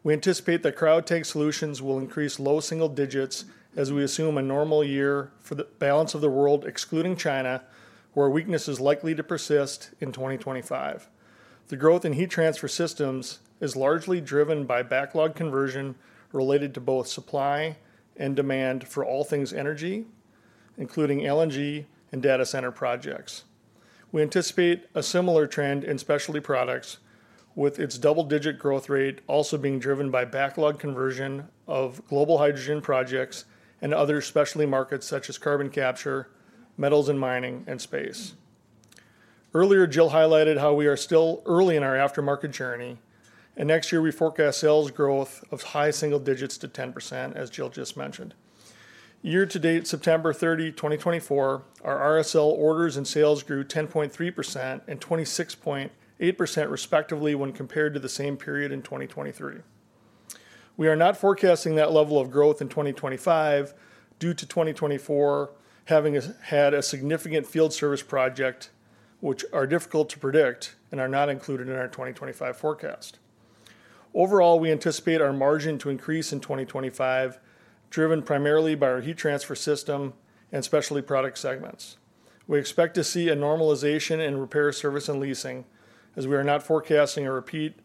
We anticipate that RSL solutions will increase low single digits as we assume a normal year for the balance of the world, excluding China, where weakness is likely to persist in 2025. The growth in Heat Transfer Systems is largely driven by backlog conversion related to both supply and demand for all things energy, including LNG and data center projects. We anticipate a similar trend in Specialty Products, with its double-digit growth rate also being driven by backlog conversion of global hydrogen projects and other specialty markets such as carbon capture, metals and mining, and space. Earlier, Jill highlighted how we are still early in our aftermarket journey. Next year, we forecast sales growth of high single digits to 10%, as Jill just mentioned. Year to date, September 30, 2024, our RSL orders and sales grew 10.3% and 26.8% respectively when compared to the same period in 2023. We are not forecasting that level of growth in 2025 due to 2024 having had a significant field service project, which are difficult to predict and are not included in our 2025 forecast. Overall, we anticipate our margin to increase in 2025, driven primarily by our heat transfer system and specialty product segments. We expect to see a normalization in repair service and leasing, as we are not forecasting a repeat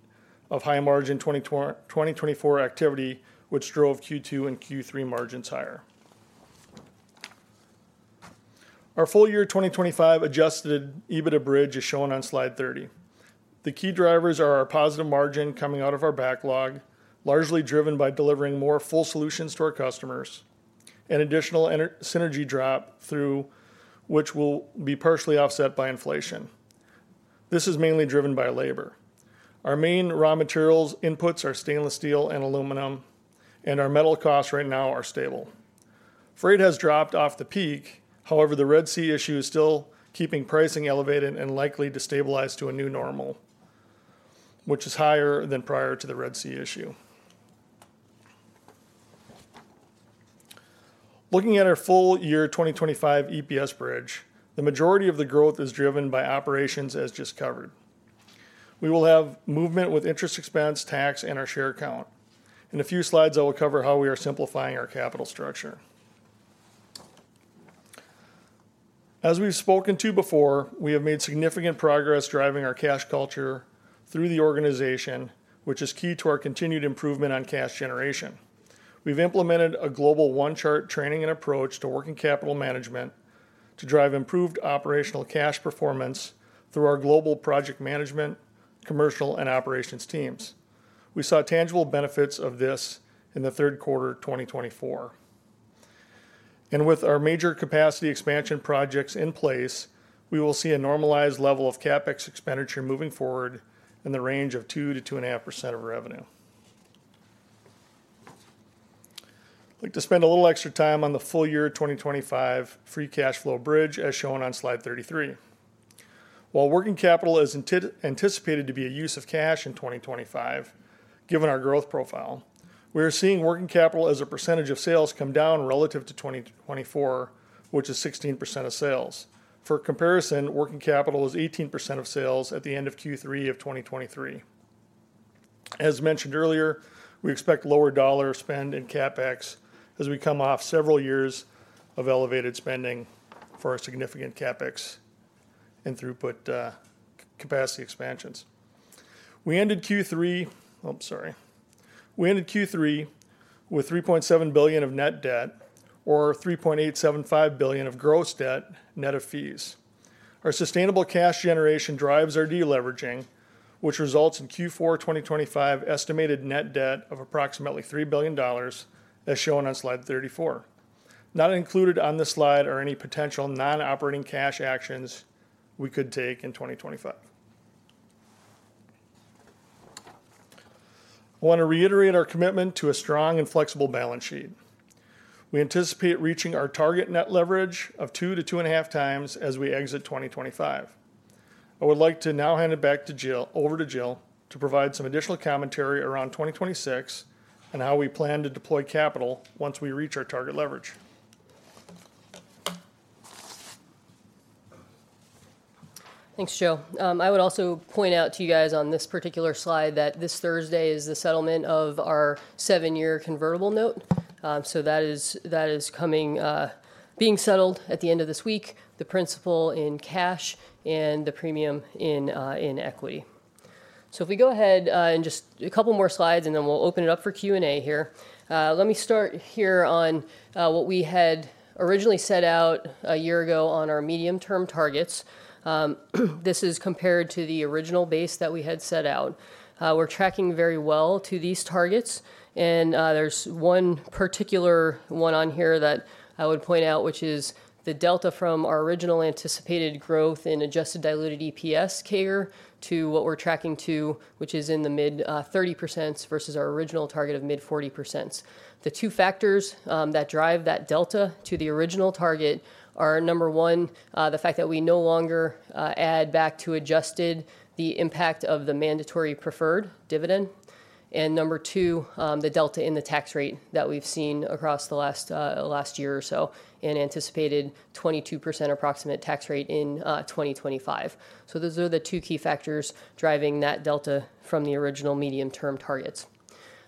of high margin 2024 activity, which drove Q2 and Q3 margins higher. Our full year 2025 Adjusted EBITDA bridge is shown on slide 30. The key drivers are our positive margin coming out of our backlog, largely driven by delivering more full solutions to our customers, and additional synergy drop through which will be partially offset by inflation. This is mainly driven by labor. Our main raw materials inputs are stainless steel and aluminum, and our metal costs right now are stable. Freight has dropped off the peak. However, the Red Sea issue is still keeping pricing elevated and likely to stabilize to a new normal, which is higher than prior to the Red Sea issue. Looking at our full year 2025 EPS bridge, the majority of the growth is driven by operations, as just covered. We will have movement with interest expense, tax, and our share count. In a few slides, I will cover how we are simplifying our capital structure. As we've spoken to before, we have made significant progress driving our cash culture through the organization, which is key to our continued improvement on cash generation. We've implemented a global One Chart training and approach to working capital management to drive improved operational cash performance through our global project management, commercial, and operations teams. We saw tangible benefits of this in the third quarter of 2024. And with our major capacity expansion projects in place, we will see a normalized level of CapEx expenditure moving forward in the range of 2%-2.5% of revenue. I'd like to spend a little extra time on the full year 2025 free cash flow bridge, as shown on slide 33. While working capital is anticipated to be a use of cash in 2025, given our growth profile, we are seeing working capital as a percentage of sales come down relative to 2024, which is 16% of sales. For comparison, working capital is 18% of sales at the end of Q3 of 2023. As mentioned earlier, we expect lower dollar spend in CapEx as we come off several years of elevated spending for our significant CapEx and throughput capacity expansions. We ended Q3 with $3.7 billion of net debt or $3.875 billion of gross debt net of fees. Our sustainable cash generation drives our de-leveraging, which results in Q4 2025 estimated net debt of approximately $3 billion, as shown on slide 34. Not included on this slide are any potential non-operating cash actions we could take in 2025. I want to reiterate our commitment to a strong and flexible balance sheet. We anticipate reaching our target net leverage of 2-2.5 times as we exit 2025. I would like to now hand it back to Jill, over to Jill, to provide some additional commentary around 2026 and how we plan to deploy capital once we reach our target leverage. Thanks, Joe. I would also point out to you guys on this particular slide that this Thursday is the settlement of our seven-year convertible note. So that is coming, being settled at the end of this week, the principal in cash and the premium in equity. So if we go ahead and just a couple more slides, and then we'll open it up for Q&A here. Let me start here on what we had originally set out a year ago on our medium-term targets. This is compared to the original base that we had set out. We're tracking very well to these targets. There's one particular one on here that I would point out, which is the delta from our original anticipated growth in adjusted diluted EPS compared to what we're tracking to, which is in the mid-30% versus our original target of mid-40%. The two factors that drive that delta to the original target are, number one, the fact that we no longer add back to adjusted the impact of the mandatory preferred dividend. And number two, the delta in the tax rate that we've seen across the last year or so and anticipated approximately 22% tax rate in 2025. Those are the two key factors driving that delta from the original medium-term targets.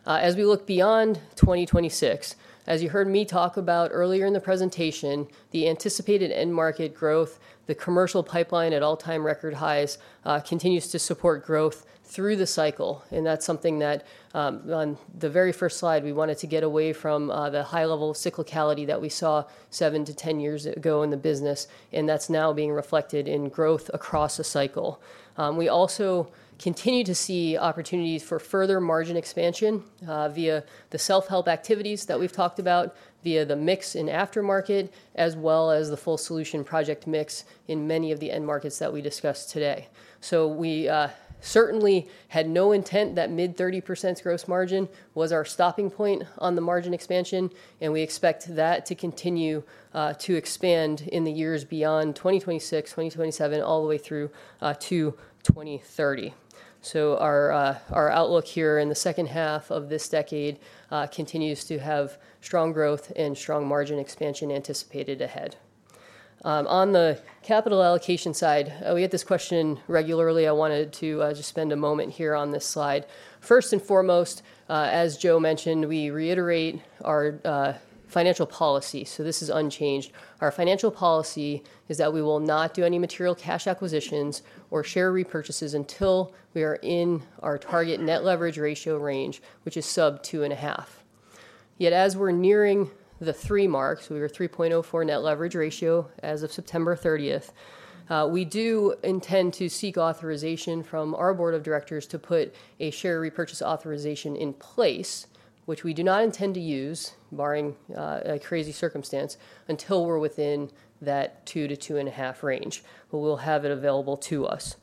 As we look beyond 2026, as you heard me talk about earlier in the presentation, the anticipated end market growth, the commercial pipeline at all-time record highs continues to support growth through the cycle. And that's something that on the very first slide, we wanted to get away from the high-level cyclicality that we saw seven to 10 years ago in the business. And that's now being reflected in growth across a cycle. We also continue to see opportunities for further margin expansion via the self-help activities that we've talked about, via the mix in aftermarket, as well as the full solution project mix in many of the end markets that we discussed today. So we certainly had no intent that mid-30% gross margin was our stopping point on the margin expansion. We expect that to continue to expand in the years beyond 2026, 2027, all the way through to 2030. Our outlook here in the second half of this decade continues to have strong growth and strong margin expansion anticipated ahead. On the capital allocation side, we get this question regularly. I wanted to just spend a moment here on this slide. First and foremost, as Joe mentioned, we reiterate our financial policy. This is unchanged. Our financial policy is that we will not do any material cash acquisitions or share repurchases until we are in our target net leverage ratio range, which is sub 2.5. Yet as we're nearing the 3 mark, so we were 3.04 Net Leverage Ratio as of September 30th, we do intend to seek authorization from our board of directors to put a share repurchase authorization in place, which we do not intend to use, barring a crazy circumstance, until we're within that 2-2.5 range, but we'll have it available to us.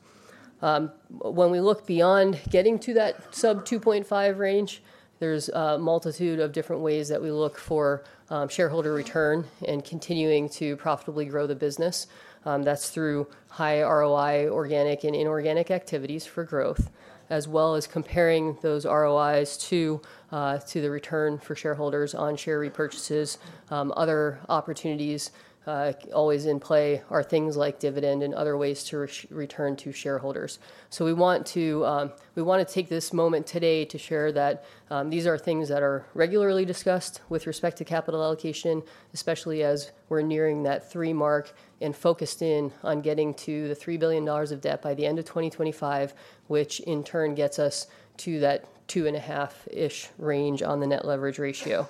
When we look beyond getting to that sub-2.5 range, there's a multitude of different ways that we look for shareholder return and continuing to profitably grow the business. That's through high ROI, organic and inorganic activities for growth, as well as comparing those ROIs to the return for shareholders on share repurchases. Other opportunities always in play are things like dividend and other ways to return to shareholders. So we want to take this moment today to share that these are things that are regularly discussed with respect to capital allocation, especially as we're nearing that 3 mark and focused in on getting to the $3 billion of debt by the end of 2025, which in turn gets us to that 2.5-ish range on the net leverage ratio.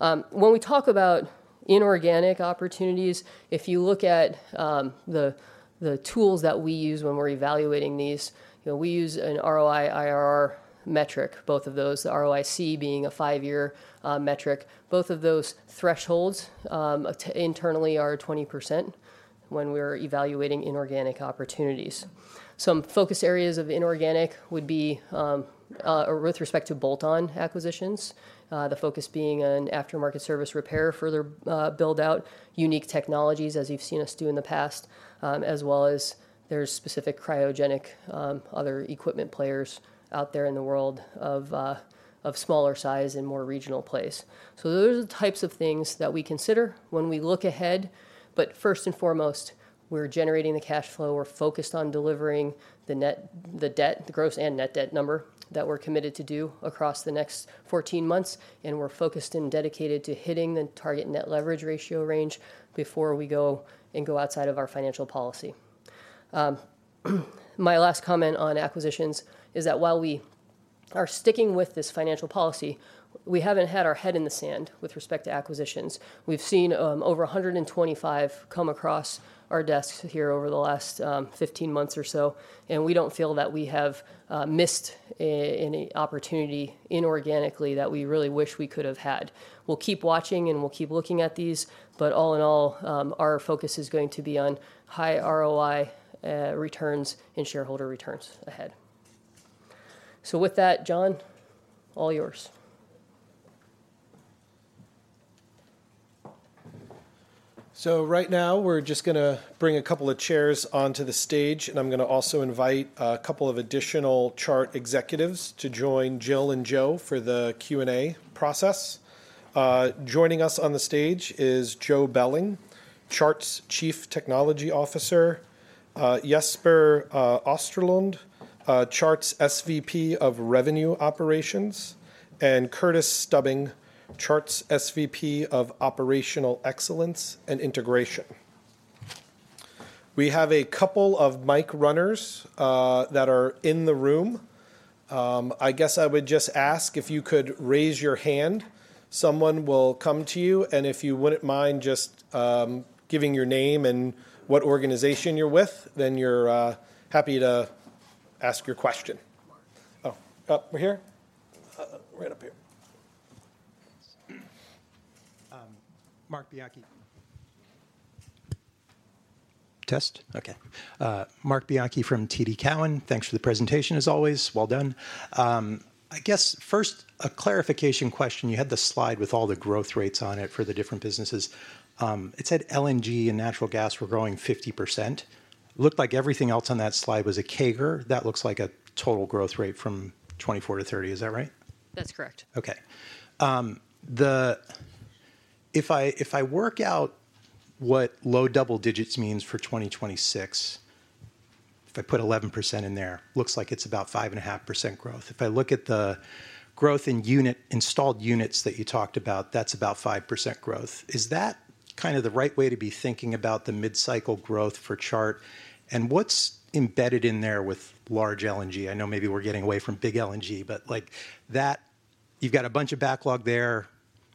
When we talk about inorganic opportunities, if you look at the tools that we use when we're evaluating these, we use an ROI IRR metric, both of those, the ROIC being a five-year metric. Both of those thresholds internally are 20% when we're evaluating inorganic opportunities. Some focus areas of inorganic would be with respect to bolt-on acquisitions, the focus being on aftermarket service repair, further build-out, unique technologies, as you've seen us do in the past, as well as there's specific cryogenic other equipment players out there in the world of smaller size and more regional place. So those are the types of things that we consider when we look ahead. But first and foremost, we're generating the cash flow. We're focused on delivering the debt, the gross and net debt number that we're committed to do across the next 14 months. And we're focused and dedicated to hitting the target net leverage ratio range before we go and go outside of our financial policy. My last comment on acquisitions is that while we are sticking with this financial policy, we haven't had our head in the sand with respect to acquisitions. We've seen over 125 come across our desks here over the last 15 months or so, and we don't feel that we have missed any opportunity inorganically that we really wish we could have had. We'll keep watching and we'll keep looking at these. But all in all, our focus is going to be on high ROI returns and shareholder returns ahead, so with that, John, all yours. Right now, we're just going to bring a couple of chairs onto the stage, and I'm going to also invite a couple of additional Chart executives to join Jill and Joe for the Q&A process. Joining us on the stage is Joe Belling, Chart's Chief Technology Officer, Jesper Osterlund, Chart's SVP of Revenue Operations, and Curtis Stubbings, Chart's SVP of Operational Excellence and Integration. We have a couple of mic runners that are in the room. I guess I would just ask if you could raise your hand. Someone will come to you, and if you wouldn't mind just giving your name and what organization you're with, then you're happy to ask your question. Oh, up here? Right up here. Marc Bianchi. Test? Okay. Marc Bianchi from TD Cowen. Thanks for the presentation, as always. Well done. I guess first, a clarification question. You had the slide with all the growth rates on it for the different businesses. It said LNG and natural gas were growing 50%. Looked like everything else on that slide was a CAGR. That looks like a total growth rate from 2024 to 2030. Is that right? That's correct. Okay. If I work out what low double digits means for 2026, if I put 11% in there, looks like it's about 5.5% growth. If I look at the growth in unit installed units that you talked about, that's about 5% growth. Is that kind of the right way to be thinking about the mid-cycle growth for Chart? And what's embedded in there with large LNG? I know maybe we're getting away from big LNG, but that you've got a bunch of backlog there.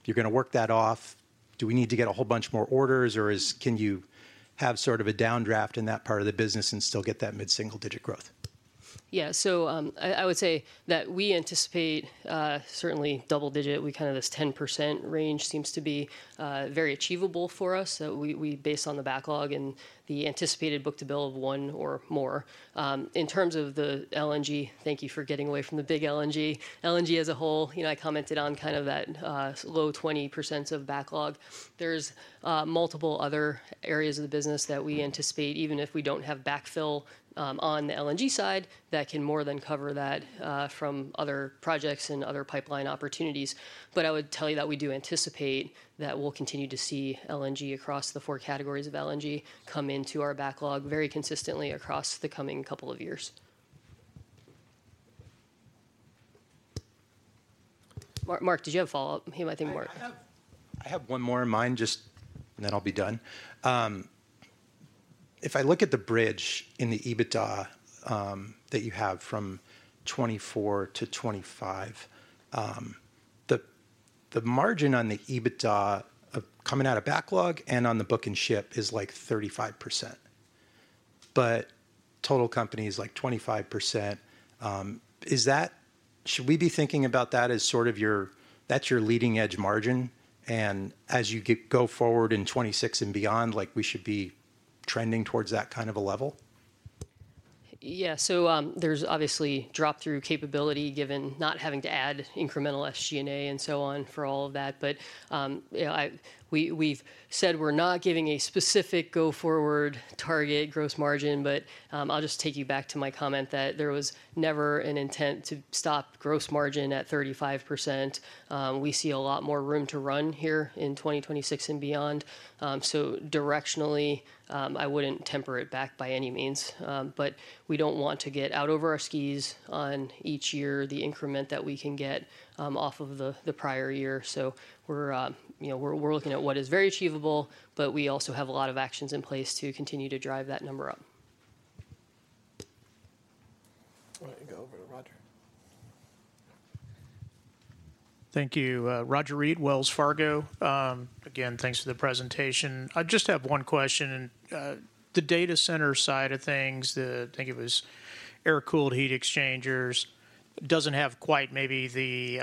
You're going to work that off. Do we need to get a whole bunch more orders, or can you have sort of a downdraft in that part of the business and still get that mid single-digit growth? Yeah. So I would say that we anticipate certainly double digit. We kind of this 10% range seems to be very achievable for us. So we base on the backlog and the anticipated book to bill of one or more. In terms of the LNG, thank you for getting away from the big LNG. LNG as a whole, I commented on kind of that low 20% of backlog. There's multiple other areas of the business that we anticipate, even if we don't have backfill on the LNG side, that can more than cover that from other projects and other pipeline opportunities. But I would tell you that we do anticipate that we'll continue to see LNG across the four categories of LNG come into our backlog very consistently across the coming couple of years. Mark, did you have a follow-up? He might think, Mark. I have one more in mind, just and then I'll be done. If I look at the bridge in the EBITDA that you have from 24 to 25, the margin on the EBITDA coming out of backlog and on the book and ship is like 35%. But total company is like 25%. Should we be thinking about that as sort of your that's your leading edge margin? And as you go forward in 2026 and beyond, we should be trending towards that kind of a level? Yeah, so there's obviously drop-through capability given not having to add incremental SG&A and so on for all of that, but we've said we're not giving a specific go-forward target gross margin. But I'll just take you back to my comment that there was never an intent to stop gross margin at 35%. We see a lot more room to run here in 2026 and beyond, so directionally, I wouldn't temper it back by any means, but we don't want to get out over our skis on each year, the increment that we can get off of the prior year. So we're looking at what is very achievable, but we also have a lot of actions in place to continue to drive that number up. Why don't you go over to Roger? Thank you. Roger Read, Wells Fargo. Again, thanks for the presentation. I just have one question. The data center side of things, I think it was air-cooled heat exchangers, doesn't have quite maybe the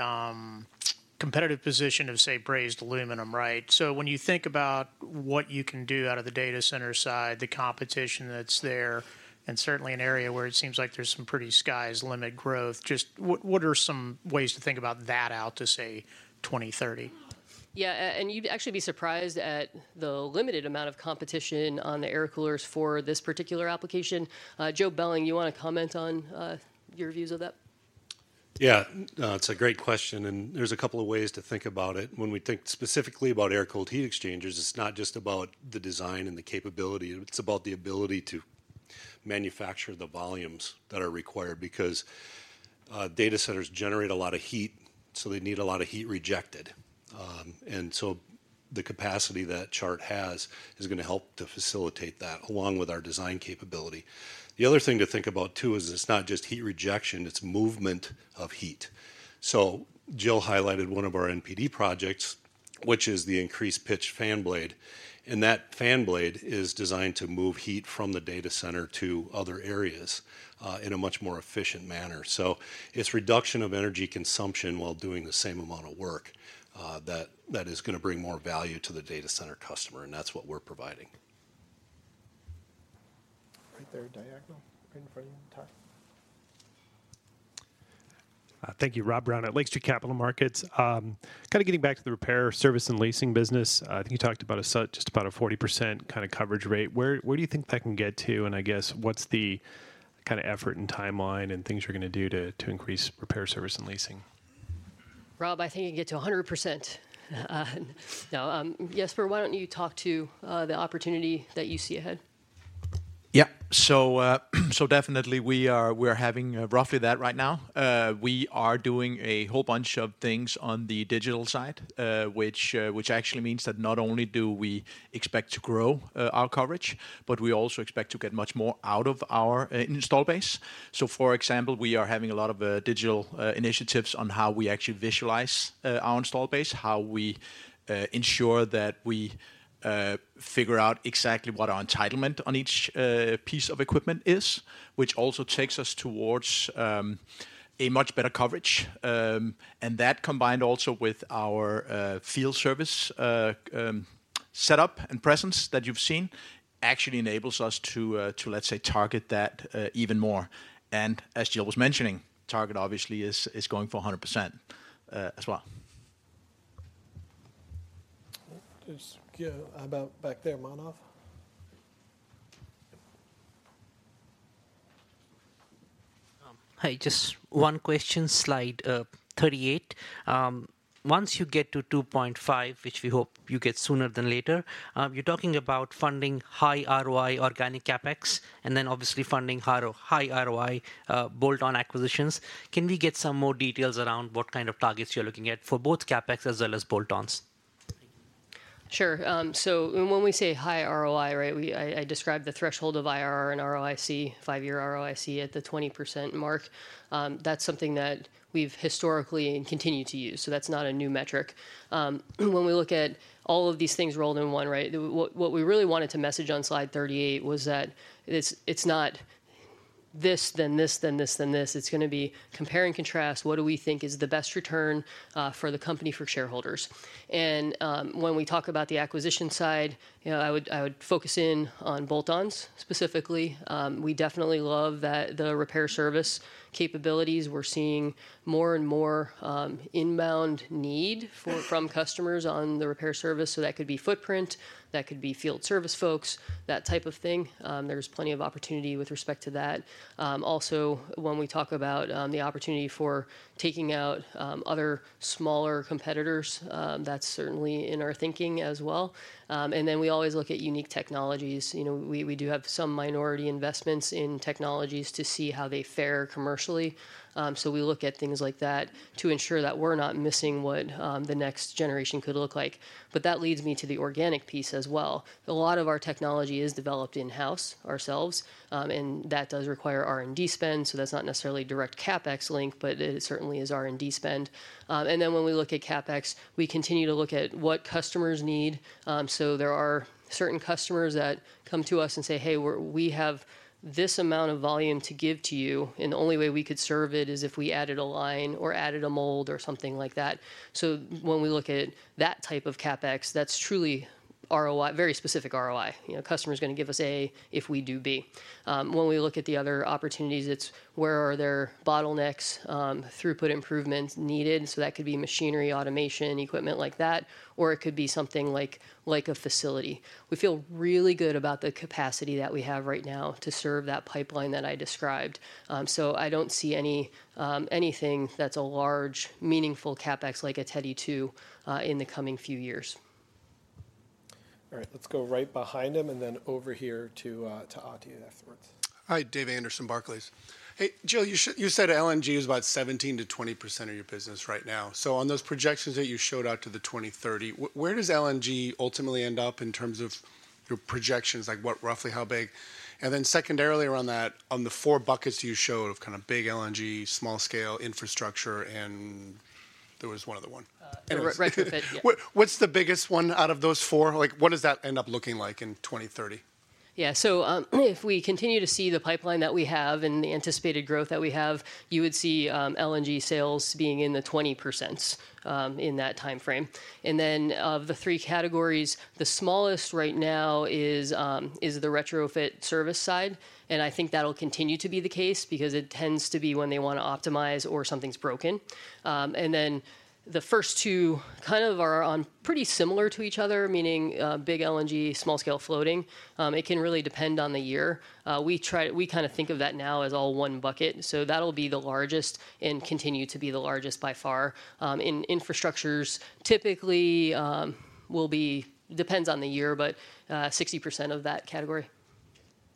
competitive position of, say, brazed aluminum, right? So when you think about what you can do out of the data center side, the competition that's there, and certainly an area where it seems like there's some pretty sky's the limit growth, just what are some ways to think about that out to say 2030? Yeah. And you'd actually be surprised at the limited amount of competition on the air coolers for this particular application. Joe Belling, you want to comment on your views of that? Yeah. It's a great question. And there's a couple of ways to think about it. When we think specifically about air-cooled heat exchangers, it's not just about the design and the capability. It's about the ability to manufacture the volumes that are required because data centers generate a lot of heat. So they need a lot of heat rejected. And so the capacity that Chart has is going to help to facilitate that along with our design capability. The other thing to think about, too, is it's not just heat rejection. It's movement of heat. So Jill highlighted one of our NPD projects, which is the increased pitch fan blade. And that fan blade is designed to move heat from the data center to other areas in a much more efficient manner. It's reduction of energy consumption while doing the same amount of work that is going to bring more value to the data center customer. And that's what we're providing. Right there, diagonal, right in front of you, Tuck. Thank you. Rob Brown at Lake Street Capital Markets. Kind of getting back to the repair, service, and leasing business, I think you talked about just about a 40% kind of coverage rate. Where do you think that can get to? And I guess what's the kind of effort and timeline and things you're going to do to increase repair, service, and leasing? Rob, I think you can get to 100%. Now, Jesper, why don't you talk to the opportunity that you see ahead? Yeah. So definitely, we are having roughly that right now. We are doing a whole bunch of things on the digital side, which actually means that not only do we expect to grow our coverage, but we also expect to get much more out of our install base. So for example, we are having a lot of digital initiatives on how we actually visualize our install base, how we ensure that we figure out exactly what our entitlement on each piece of equipment is, which also takes us towards a much better coverage. And that, combined also with our field service setup and presence that you've seen, actually enables us to, let's say, target that even more. And as Jill was mentioning, target obviously is going for 100% as well. How about back there, Manav? Hi. Just one question, slide 38. Once you get to 2.5, which we hope you get sooner than later, you're talking about funding high ROI organic CapEx and then obviously funding high ROI bolt-on acquisitions. Can we get some more details around what kind of targets you're looking at for both CapEx as well as bolt-ons? Sure. So when we say high ROI, right, I described the threshold of IRR and ROIC, five-year ROIC at the 20% mark. That's something that we've historically and continue to use. So that's not a new metric. When we look at all of these things rolled in one, right, what we really wanted to message on slide 38 was that it's not this, then this, then this, then this. It's going to be compare and contrast what do we think is the best return for the company for shareholders. And when we talk about the acquisition side, I would focus in on bolt-ons specifically. We definitely love that the repair service capabilities. We're seeing more and more inbound need from customers on the repair service. So that could be footprint. That could be field service folks, that type of thing. There's plenty of opportunity with respect to that. Also, when we talk about the opportunity for taking out other smaller competitors, that's certainly in our thinking as well. And then we always look at unique technologies. We do have some minority investments in technologies to see how they fare commercially. So we look at things like that to ensure that we're not missing what the next generation could look like. But that leads me to the organic piece as well. A lot of our technology is developed in-house ourselves. And that does require R&D spend. That's not necessarily direct CapEx link, but it certainly is R&D spend. And then when we look at CapEx, we continue to look at what customers need. So there are certain customers that come to us and say, "Hey, we have this amount of volume to give to you. And the only way we could serve it is if we added a line or added a mold or something like that." So when we look at that type of CapEx, that's truly very specific ROI. Customer's going to give us A if we do B. When we look at the other opportunities, it's where are there bottlenecks, throughput improvements needed. So that could be machinery, automation, equipment like that. Or it could be something like a facility. We feel really good about the capacity that we have right now to serve that pipeline that I described. So I don't see anything that's a large, meaningful CapEx like a Teddy 2 in the coming few years. All right. Let's go right behind him and then over here to Ati afterwards. Hi, Dave Anderson, Barclays. Hey, Jill, you said LNG is about 17%-20% of your business right now. So on those projections that you showed out to 2030, where does LNG ultimately end up in terms of your projections, like roughly how big? And then secondarily around that, on the four buckets you showed of kind of big LNG, small scale, infrastructure, and there was one other one. Right, throughput. Yeah. What's the biggest one out of those four? What does that end up looking like in 2030? Yeah. So if we continue to see the pipeline that we have and the anticipated growth that we have, you would see LNG sales being in the 20% in that time frame. And then of the three categories, the smallest right now is the retrofit service side. And I think that'll continue to be the case because it tends to be when they want to optimize or something's broken. And then the first two kind of are pretty similar to each other, meaning big LNG, small scale floating. It can really depend on the year. We kind of think of that now as all one bucket. So that'll be the largest and continue to be the largest by far. In infrastructures, typically will be depends on the year, but 60% of that category.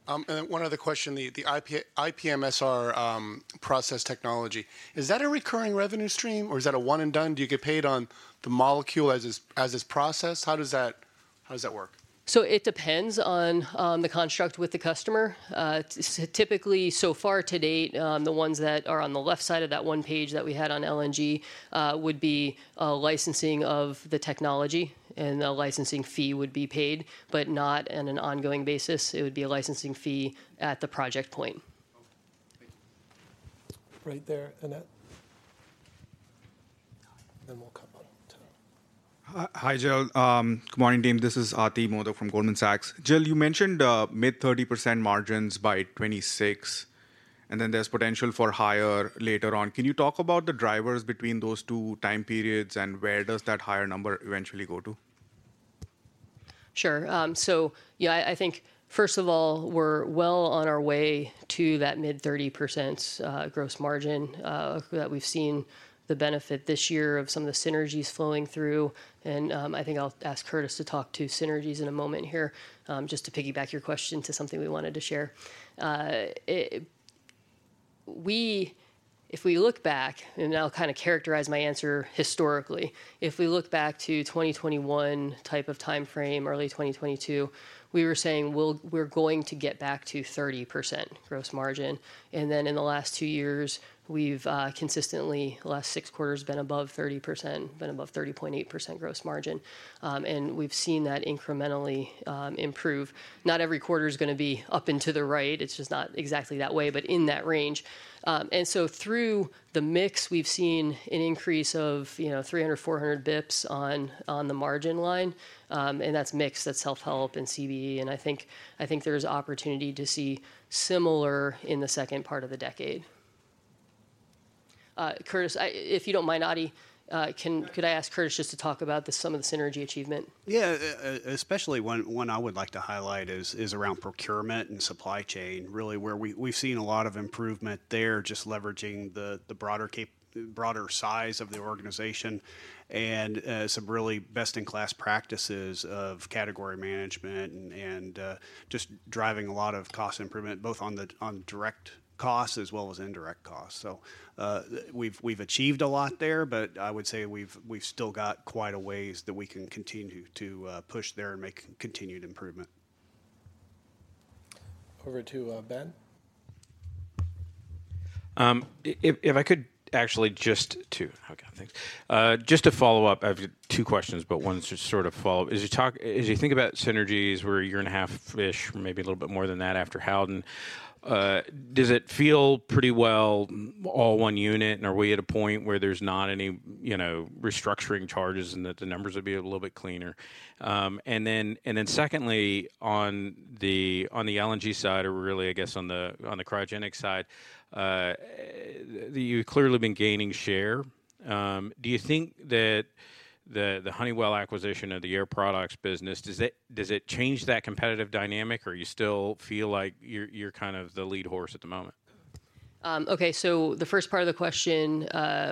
And then one other question, the IPSMR process technology. Is that a recurring revenue stream, or is that a one and done? Do you get paid on the molecule as it's processed? How does that work? So it depends on the construct with the customer. Typically, so far to date, the ones that are on the left side of that one page that we had on LNG would be licensing of the technology. And a licensing fee would be paid, but not on an ongoing basis. It would be a licensing fee at the project point. Right there, Ati. Then we'll come on to. Hi, Jill. Good morning, team. This is Ati Modak from Goldman Sachs. Jill, you mentioned mid 30% margins by 2026. And then there's potential for higher later on. Can you talk about the drivers between those two time periods and where does that higher number eventually go to? Sure. So yeah, I think, first of all, we're well on our way to that mid 30% gross margin that we've seen the benefit this year of some of the synergies flowing through. And I think I'll ask Curtis to talk to synergies in a moment here just to piggyback your question to something we wanted to share. If we look back, and I'll kind of characterize my answer historically, if we look back to 2021 type of time frame, early 2022, we were saying we're going to get back to 30% gross margin. And then in the last two years, we've consistently, the last six quarters, been above 30%, been above 30.8% gross margin. And we've seen that incrementally improve. Not every quarter is going to be up and to the right. It's just not exactly that way, but in that range. Through the mix, we've seen an increase of 300-400 basis points on the margin line. That's a mix of self-help and CBE. I think there's opportunity to see similar in the second part of the decade. Curtis, if you don't mind, Ati, could I ask Curtis just to talk about some of the synergy achievement? Yeah. Especially one I would like to highlight is around procurement and supply chain, really, where we've seen a lot of improvement there, just leveraging the broader size of the organization and some really best-in-class practices of category management and just driving a lot of cost improvement, both on direct costs as well as indirect costs. We've achieved a lot there, but I would say we've still got quite a ways that we can continue to push there and make continued improvement. Over to Ben. Okay, thanks. Just to follow up, I have two questions, but one sort of follow-up. As you think about synergies where a year and a half-ish, maybe a little bit more than that after Howden, does it feel pretty well all one unit? And are we at a point where there's not any restructuring charges and that the numbers would be a little bit cleaner? And then secondly, on the LNG side or really, I guess, on the cryogenic side, you've clearly been gaining share. Do you think that the Honeywell acquisition of the Air Products business, does it change that competitive dynamic? Or you still feel like you're kind of the lead horse at the moment? Okay. So the first part of the question,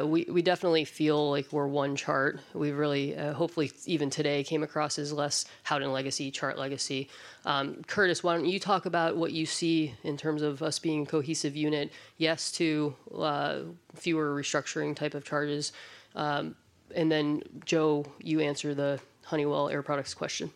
we definitely feel like we're one Chart. We really, hopefully, even today came across as less Howden legacy, Chart legacy. Curtis, why don't you talk about what you see in terms of us being a cohesive unit, yes to fewer restructuring type of charges, and then Joe, you answer the Honeywell Air Products question.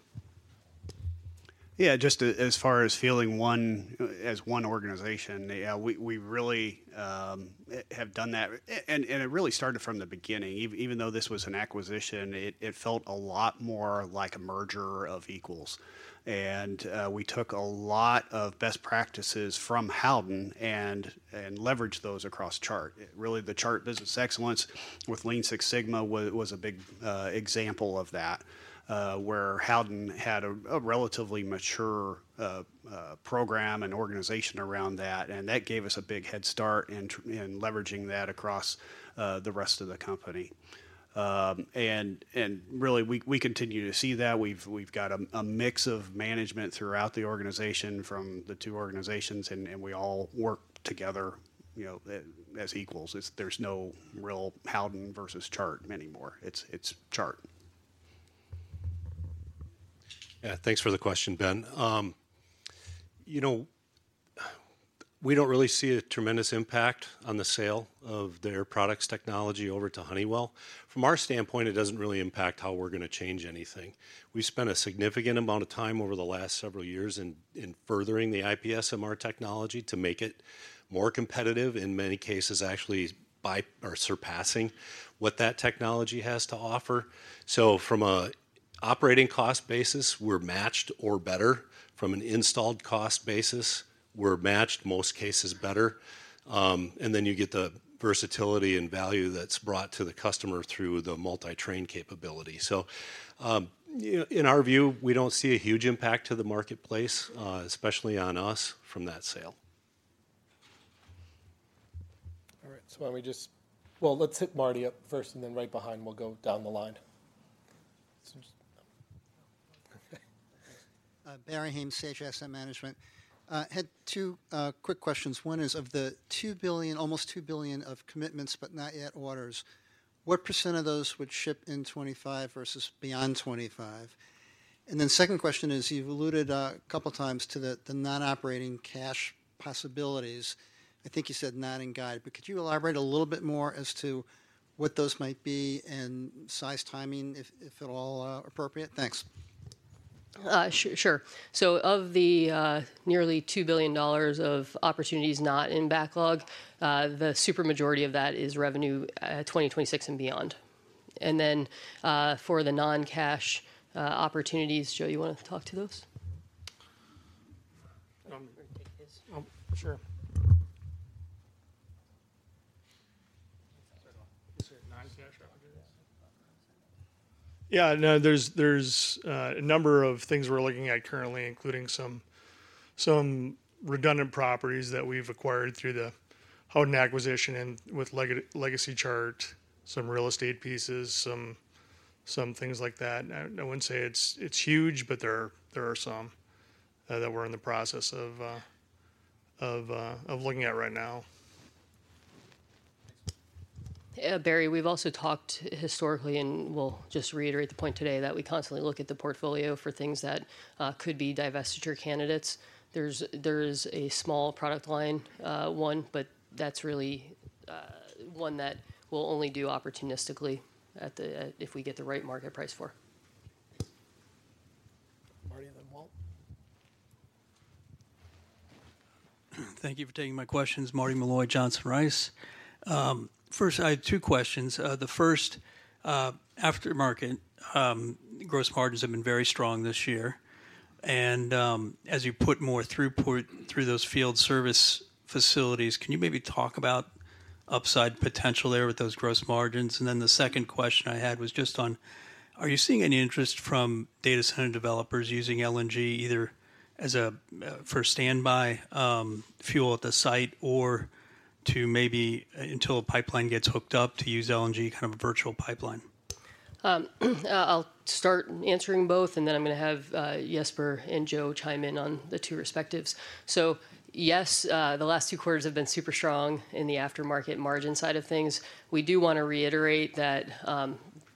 Yeah, just as far as feeling like one organization, we really have done that, and it really started from the beginning. Even though this was an acquisition, it felt a lot more like a merger of equals. And we took a lot of best practices from Howden and leveraged those across Chart. Really, the Chart Business Excellence with Lean Six Sigma was a big example of that, where Howden had a relatively mature program and organization around that. And that gave us a big head start in leveraging that across the rest of the company, and really, we continue to see that. We've got a mix of management throughout the organization from the two organizations. And we all work together as equals. There's no real Howden versus Chart anymore. It's Chart. Yeah. Thanks for the question, Ben. We don't really see a tremendous impact on the sale of their products technology over to Honeywell. From our standpoint, it doesn't really impact how we're going to change anything. We've spent a significant amount of time over the last several years in furthering the IPSMR technology to make it more competitive, in many cases, actually by or surpassing what that technology has to offer. So from an operating cost basis, we're matched or better. From an installed cost basis, we're matched most cases better. And then you get the versatility and value that's brought to the customer through the multi-train capability. So in our view, we don't see a huge impact to the marketplace, especially on us from that sale. All right. So why don't we just, well, let's hit Marty up first, and then right behind, we'll go down the line. Okay. Barry Haimes, Sage Asset Management. I had two quick questions. One is, of the almost $2 billion of commitments, but not yet orders, what % of those would ship in 2025 versus beyond 2025? And then second question is, you've alluded a couple of times to the non-operating cash possibilities. I think you said not in guide, but could you elaborate a little bit more as to what those might be and size, timing, if at all appropriate? Thanks. Sure. So of the nearly $2 billion of opportunities not in backlog, the super majority of that is revenue 2026 and beyond. And then for the non-cash opportunities, Joe, you want to talk to those? Oh, sure. Yeah. There's a number of things we're looking at currently, including some redundant properties that we've acquired through the Howden acquisition and with legacy Chart, some real estate pieces, some things like that. I wouldn't say it's huge, but there are some that we're in the process of looking at right now. Barry, we've also talked historically, and we'll just reiterate the point today that we constantly look at the portfolio for things that could be divestiture candidates. There is a small product line one, but that's really one that we'll only do opportunistically if we get the right market price for. Marty and then Walt. Thank you for taking my questions. Marty Malloy, Johnson Rice. First, I have two questions. The first, aftermarket gross margins have been very strong this year. As you put more through those field service facilities, can you maybe talk about upside potential there with those gross margins? And then the second question I had was just on, are you seeing any interest from data center developers using LNG either as a for standby fuel at the site or to maybe until a pipeline gets hooked up to use LNG kind of a virtual pipeline? I'll start answering both, and then I'm going to have Jesper and Joe chime in on the two respectives. Yes, the last two quarters have been super strong in the aftermarket margin side of things. We do want to reiterate that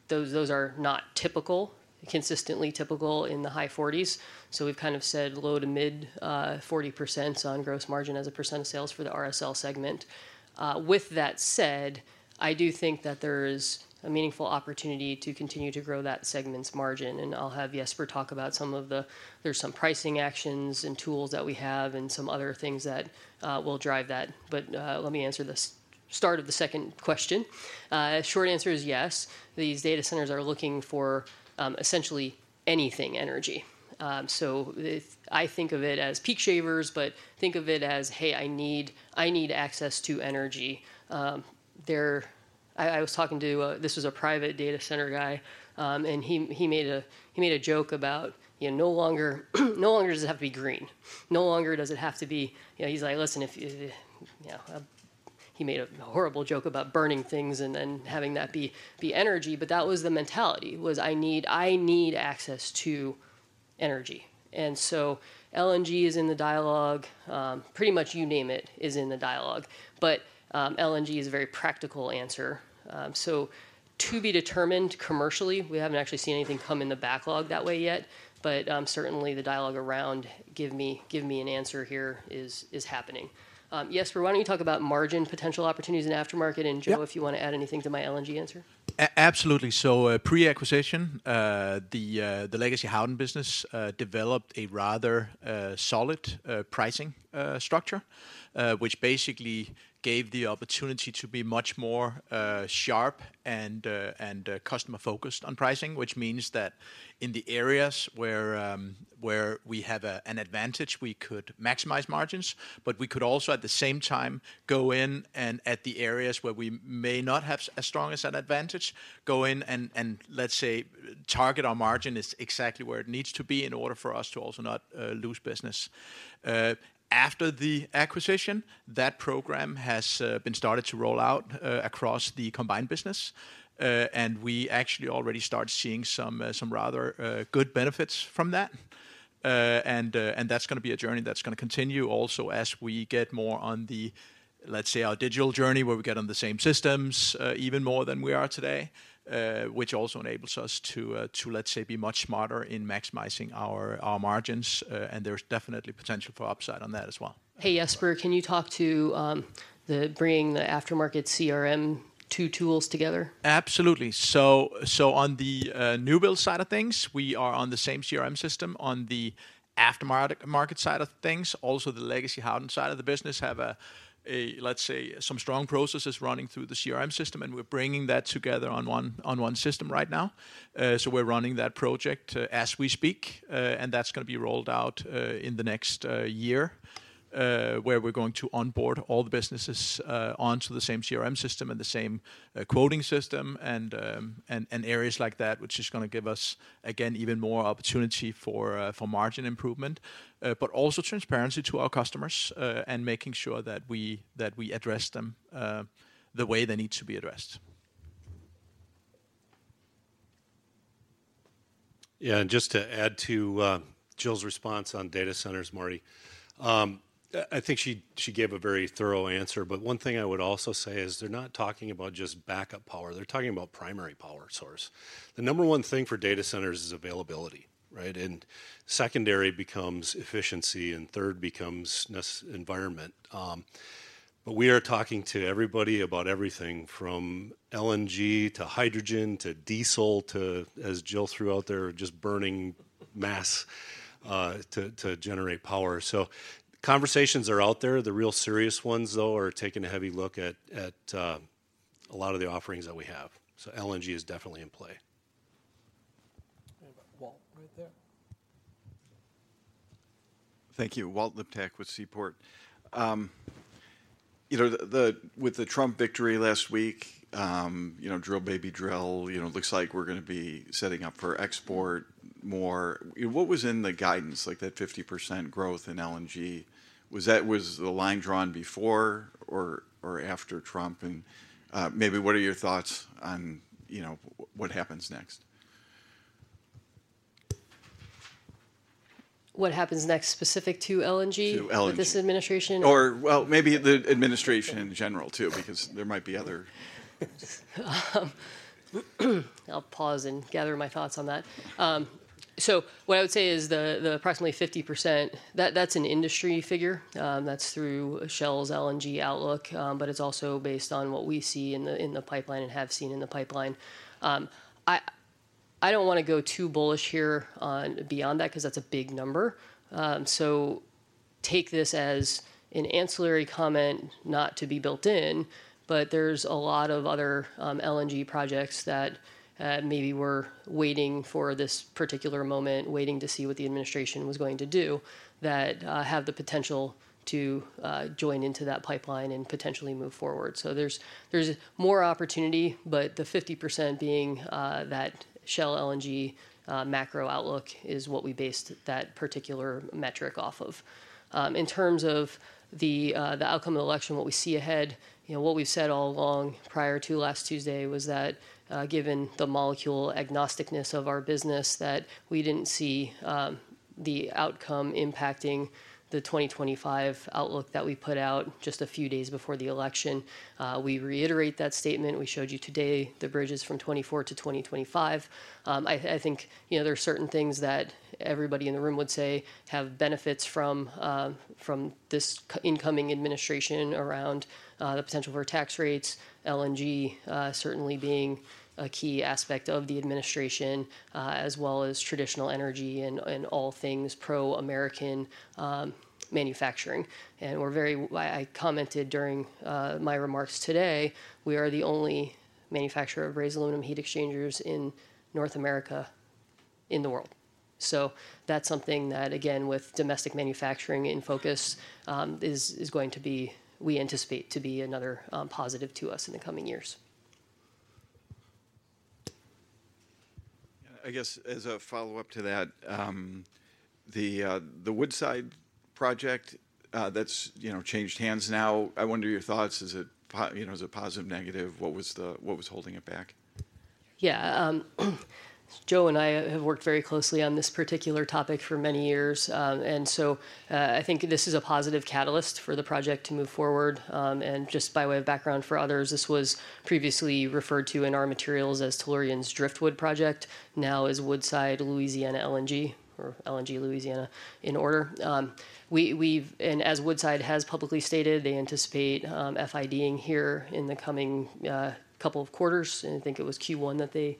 those are not typical, consistently typical in the high 40s. We've kind of said low-to-mid 40% on gross margin as a % of sales for the RSL segment. With that said, I do think that there is a meaningful opportunity to continue to grow that segment's margin, and I'll have Jesper talk about some of the, there's some pricing actions and tools that we have and some other things that will drive that, but let me answer the start of the second question. Short answer is yes. These data centers are looking for essentially anything energy. So I think of it as peak shavers, but think of it as, hey, I need access to energy. I was talking to, this was a private data center guy, and he made a joke about, no longer does it have to be green. No longer does it have to be, he's like, listen, he made a horrible joke about burning things and then having that be energy, but that was the mentality, was I need access to energy. And so LNG is in the dialogue. Pretty much you name it is in the dialogue. But LNG is a very practical answer. So to be determined commercially, we haven't actually seen anything come in the backlog that way yet. But certainly the dialogue around give me an answer here is happening. Jesper, why don't you talk about margin potential opportunities in aftermarket? And Joe, if you want to add anything to my LNG answer. Absolutely. So pre-acquisition, the legacy Howden business developed a rather solid pricing structure, which basically gave the opportunity to be much more sharp and customer-focused on pricing, which means that in the areas where we have an advantage, we could maximize margins, but we could also at the same time go in and at the areas where we may not have as strong as an advantage, go in and let's say target our margin is exactly where it needs to be in order for us to also not lose business. After the acquisition, that program has been started to roll out across the combined business. And we actually already started seeing some rather good benefits from that. And that's going to be a journey that's going to continue also as we get more on the, let's say, our digital journey where we get on the same systems even more than we are today, which also enables us to, let's say, be much smarter in maximizing our margins. And there's definitely potential for upside on that as well. Hey, Jesper, can you talk to bringing the aftermarket CRM tools together? Absolutely. So on the new build side of things, we are on the same CRM system. On the aftermarket side of things, also the legacy Howden side of the business have a, let's say, some strong processes running through the CRM system. And we're bringing that together on one system right now. So we're running that project as we speak. That's going to be rolled out in the next year, where we're going to onboard all the businesses onto the same CRM system and the same quoting system and areas like that, which is going to give us, again, even more opportunity for margin improvement, but also transparency to our customers and making sure that we address them the way they need to be addressed. Yeah. And just to add to Jill's response on data centers, Marty, I think she gave a very thorough answer. But one thing I would also say is they're not talking about just backup power. They're talking about primary power source. The number one thing for data centers is availability, right? And secondary becomes efficiency and third becomes environment. But we are talking to everybody about everything from LNG to hydrogen to diesel to, as Jill threw out there, just burning mass to generate power. So conversations are out there. The real serious ones, though, are taking a heavy look at a lot of the offerings that we have. So LNG is definitely in play. Walt, right there. Thank you. Walt Liptak with Seaport. With the Trump victory last week, drill, baby drill, it looks like we're going to be setting up for export more. What was in the guidance, like that 50% growth in LNG? Was that the line drawn before or after Trump? And maybe what are your thoughts on what happens next? What happens next specific to LNG? To LNG. With this administration? Or, well, maybe the administration in general too, because there might be other. I'll pause and gather my thoughts on that. So what I would say is the approximately 50%, that's an industry figure. That's through Shell's LNG outlook, but it's also based on what we see in the pipeline and have seen in the pipeline. I don't want to go too bullish here beyond that because that's a big number. So take this as an ancillary comment not to be built in, but there's a lot of other LNG projects that maybe were waiting for this particular moment, waiting to see what the administration was going to do that have the potential to join into that pipeline and potentially move forward. So there's more opportunity, but the 50% being that Shell LNG macro outlook is what we based that particular metric off of. In terms of the outcome of the election, what we see ahead, what we've said all along prior to last Tuesday was that given the molecule agnosticness of our business, that we didn't see the outcome impacting the 2025 outlook that we put out just a few days before the election. We reiterate that statement we showed you today, the bridges from 2024 to 2025. I think there are certain things that everybody in the room would say have benefits from this incoming administration around the potential for tax rates, LNG certainly being a key aspect of the administration, as well as traditional energy and all things pro-American manufacturing. I commented during my remarks today, we are the only manufacturer of brazed aluminum heat exchangers in North America in the world. So that's something that, again, with domestic manufacturing in focus, is going to be, we anticipate to be another positive to us in the coming years. I guess as a follow-up to that, the Woodside project that's changed hands now, I wonder your thoughts. Is it a positive, negative? What was holding it back? Yeah. Joe and I have worked very closely on this particular topic for many years. And so I think this is a positive catalyst for the project to move forward. And just by way of background for others, this was previously referred to in our materials as Tellurian's Driftwood project, now is Woodside Louisiana LNG, or LNG Louisiana in order. And as Woodside has publicly stated, they anticipate FIDing here in the coming couple of quarters. I think it was Q1 that they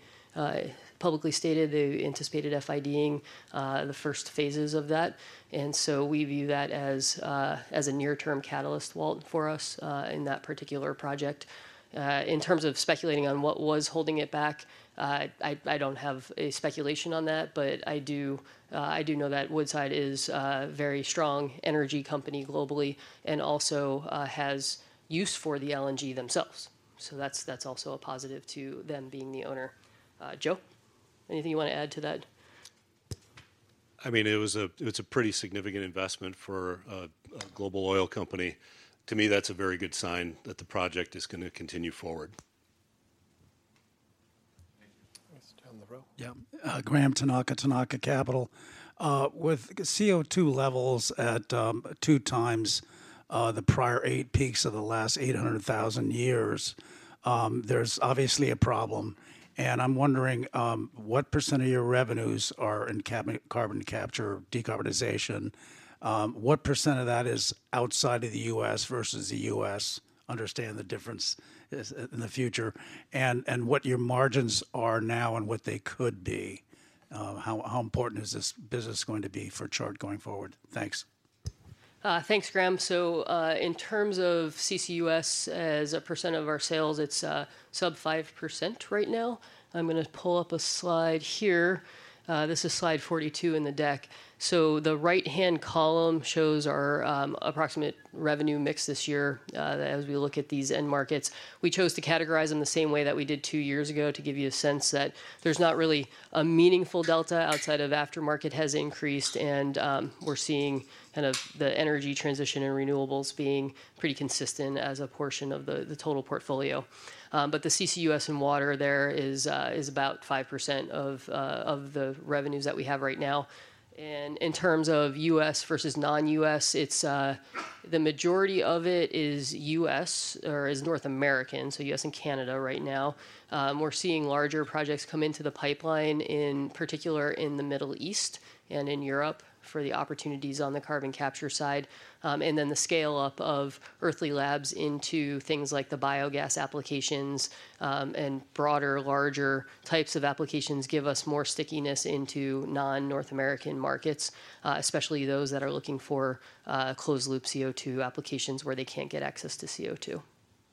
publicly stated they anticipated FIDing the first phases of that. We view that as a near-term catalyst, Walt, for us in that particular project. In terms of speculating on what was holding it back, I don't have a speculation on that, but I do know that Woodside is a very strong energy company globally and also has use for the LNG themselves. So that's also a positive to them being the owner. Joe, anything you want to add to that? I mean, it was a pretty significant investment for a global oil company. To me, that's a very good sign that the project is going to continue forward. Thank you. Down the road. Yeah. Graham Tanaka Capital. With CO2 levels at two times the prior eight peaks of the last 800,000 years, there's obviously a problem. And I'm wondering what % of your revenues are in carbon capture, decarbonization. What % of that is outside of the U.S. versus the U.S.? Understand the difference in the future, and what your margins are now and what they could be. How important is this business going to be for Chart going forward? Thanks. Thanks, Graham. So in terms of CCUS, as a % of our sales, it's sub 5% right now. I'm going to pull up a slide here. This is slide 42 in the deck. So the right-hand column shows our approximate revenue mix this year as we look at these end markets. We chose to categorize them the same way that we did two years ago to give you a sense that there's not really a meaningful delta outside of aftermarket has increased, and we're seeing kind of the energy transition and renewables being pretty consistent as a portion of the total portfolio. But the CCUS and water there is about 5% of the revenues that we have right now. And in terms of U.S. versus non-U.S., the majority of it is U.S. or is North American, so U.S. and Canada right now. We're seeing larger projects come into the pipeline, in particular in the Middle East and in Europe for the opportunities on the carbon capture side. And then the scale-up of Earthly Labs into things like the biogas applications and broader, larger types of applications give us more stickiness into non-North American markets, especially those that are looking for closed-loop CO2 applications where they can't get access to CO2.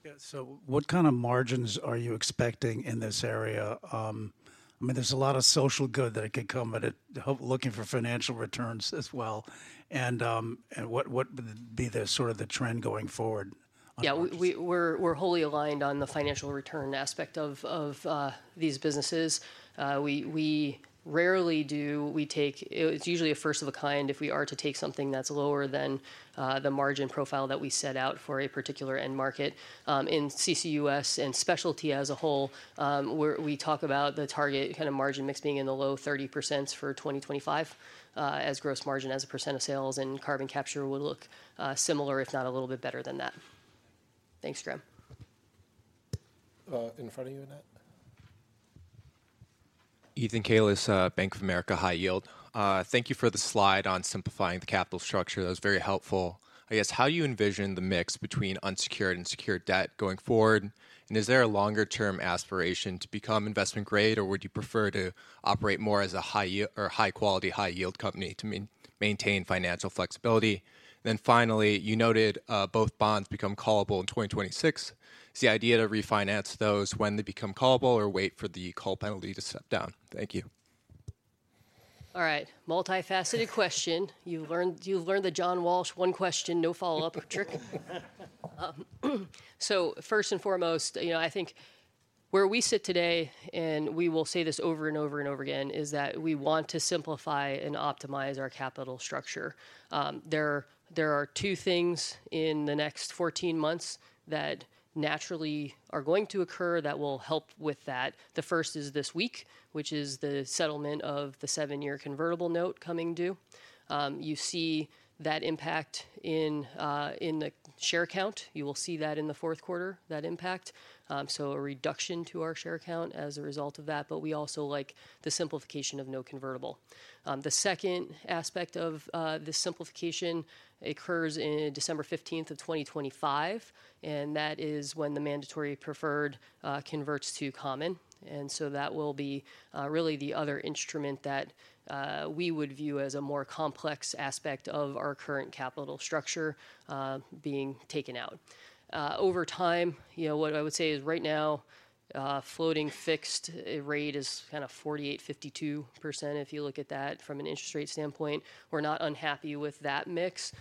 Yeah. So what kind of margins are you expecting in this area? I mean, there's a lot of social good that it could come, but looking for financial returns as well. And what would be the sort of trend going forward? Yeah. We're wholly aligned on the financial return aspect of these businesses. We rarely do, we take, it's usually a first of a kind if we are to take something that's lower than the margin profile that we set out for a particular end market. In CCUS and specialty as a whole, we talk about the target kind of margin mix being in the low 30%s for 2025 as gross margin, as a percent of sales and carbon capture would look similar, if not a little bit better than that. Thanks, Graham. In front of you in that. Ethan Kalis, Bank of America, high yield. Thank you for the slide on simplifying the capital structure. That was very helpful. I guess, how do you envision the mix between unsecured and secured debt going forward? And is there a longer-term aspiration to become investment grade, or would you prefer to operate more as a high-quality, high-yield company to maintain financial flexibility? And then finally, you noted both bonds become callable in 2026. Is the idea to refinance those when they become callable or wait for the call penalty to step down? Thank you. All right. Multifaceted question. You learned the John Walsh one question, no follow-up trick. So first and foremost, I think where we sit today, and we will say this over and over and over again, is that we want to simplify and optimize our capital structure. There are two things in the next 14 months that naturally are going to occur that will help with that. The first is this week, which is the settlement of the seven-year convertible note coming due. You see that impact in the share count. You will see that in the fourth quarter, that impact. So a reduction to our share count as a result of that, but we also like the simplification of no convertible. The second aspect of this simplification occurs on December 15th of 2025, and that is when the mandatory preferred converts to common. And so that will be really the other instrument that we would view as a more complex aspect of our current capital structure being taken out. Over time, what I would say is right now, floating fixed rate is kind of 48%-52% if you look at that from an interest rate standpoint. We're not unhappy with that mix.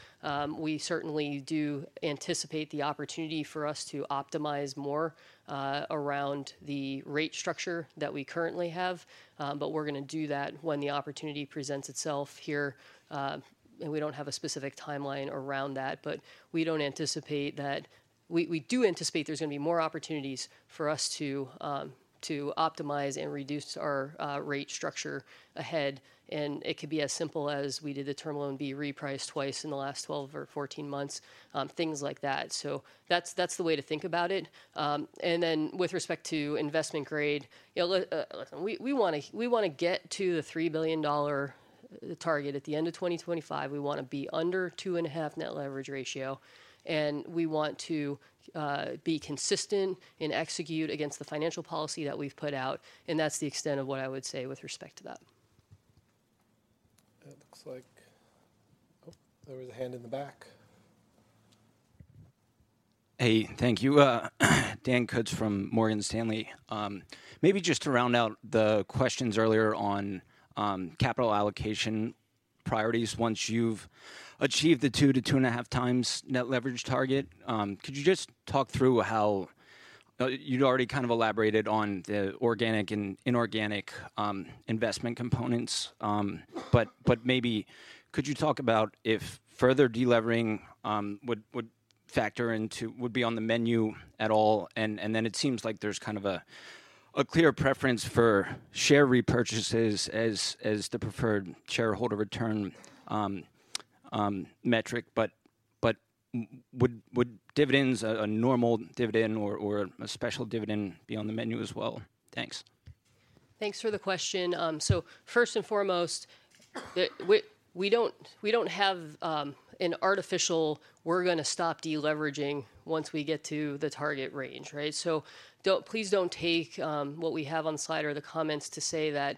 We certainly do anticipate the opportunity for us to optimize more around the rate structure that we currently have, but we're going to do that when the opportunity presents itself here. And we don't have a specific timeline around that, but we don't anticipate that. We do anticipate there's going to be more opportunities for us to optimize and reduce our rate structure ahead. And it could be as simple as we did the terminal and be repriced twice in the last 12 or 14 months, things like that. So that's the way to think about it. And then with respect to investment grade, we want to get to the $3 billion target at the end of 2025. We want to be under two and a half net leverage ratio. And we want to be consistent and execute against the financial policy that we've put out. And that's the extent of what I would say with respect to that. That looks like there was a hand in the back. Hey, thank you. Dan Kutz from Morgan Stanley. Maybe just to round out the questions earlier on capital allocation priorities, once you've achieved the two to two and a half times net leverage target, could you just talk through how you'd already kind of elaborated on the organic and inorganic investment components? But maybe could you talk about if further delevering would be on the menu at all? And then it seems like there's kind of a clear preference for share repurchases as the preferred shareholder return metric, but would dividends, a normal dividend or a special dividend, be on the menu as well? Thanks. Thanks for the question. So first and foremost, we don't have an artificial we're going to stop deleveraging once we get to the target range, right? So please don't take what we have on slide or the comments to say that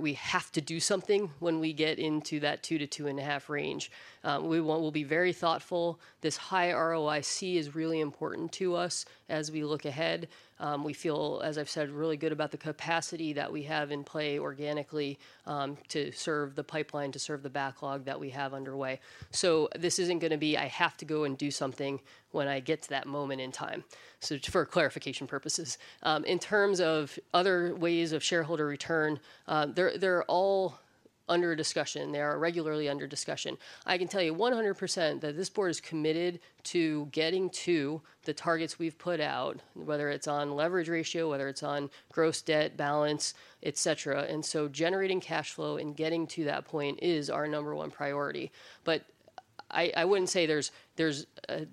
we have to do something when we get into that two to two and a half range. We will be very thoughtful. This high ROIC is really important to us as we look ahead. We feel, as I've said, really good about the capacity that we have in play organically to serve the pipeline, to serve the backlog that we have underway. So this isn't going to be I have to go and do something when I get to that moment in time. So for clarification purposes, in terms of other ways of shareholder return, they're all under discussion. They are regularly under discussion. I can tell you 100% that this board is committed to getting to the targets we've put out, whether it's on leverage ratio, whether it's on gross debt balance, etc. And so generating cash flow and getting to that point is our number one priority. But I wouldn't say,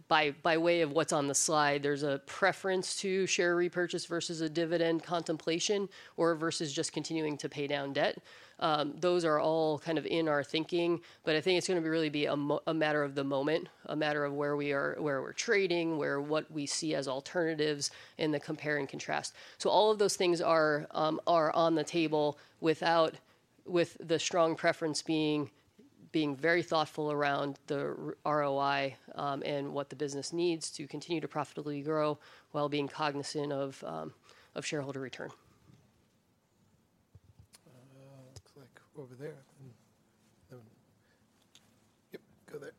by way of what's on the slide, there's a preference to share repurchase versus a dividend contemplation or versus just continuing to pay down debt. Those are all kind of in our thinking, but I think it's going to really be a matter of the moment, a matter of where we're trading, where what we see as alternatives in the compare and contrast. So all of those things are on the table without the strong preference being very thoughtful around the ROI and what the business needs to continue to profitably grow while being cognizant of shareholder return. Looks like over there. Yep, go there.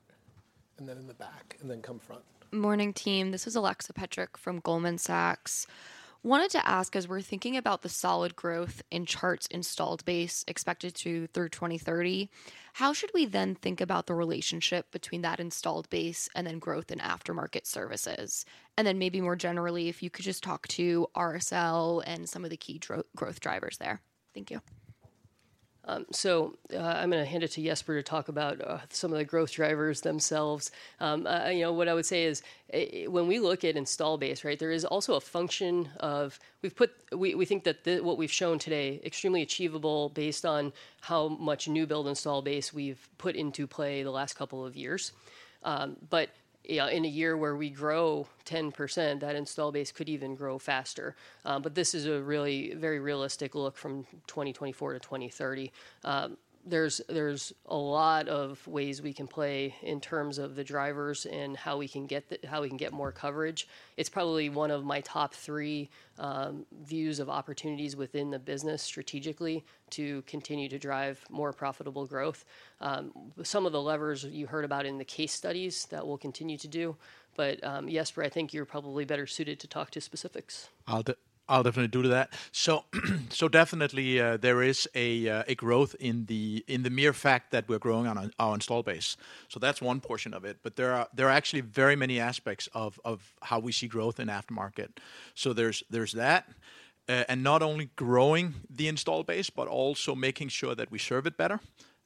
And then in the back and then come front. Morning, team. This is Alexa Petrick from Goldman Sachs. wanted to ask, as we're thinking about the solid growth in Chart's installed base expected through 2030, how should we then think about the relationship between that installed base and then growth in aftermarket services? And then maybe more generally, if you could just talk to RSL and some of the key growth drivers there. Thank you. So, I'm going to hand it to Jesper to talk about some of the growth drivers themselves. What I would say is, when we look at installed base, right, there is also a function of we think that what we've shown today, extremely achievable based on how much new build installed base we've put into play the last couple of years. But in a year where we grow 10%, that installed base could even grow faster. But this is a really very realistic look from 2024 to 2030. There's a lot of ways we can play in terms of the drivers and how we can get more coverage. It's probably one of my top three views of opportunities within the business strategically to continue to drive more profitable growth. Some of the levers you heard about in the case studies that we'll continue to do. But Jesper, I think you're probably better suited to talk to specifics. I'll definitely do that. So definitely there is a growth in the mere fact that we're growing on our install base. So that's one portion of it. But there are actually very many aspects of how we see growth in aftermarket. So there's that. And not only growing the install base, but also making sure that we serve it better,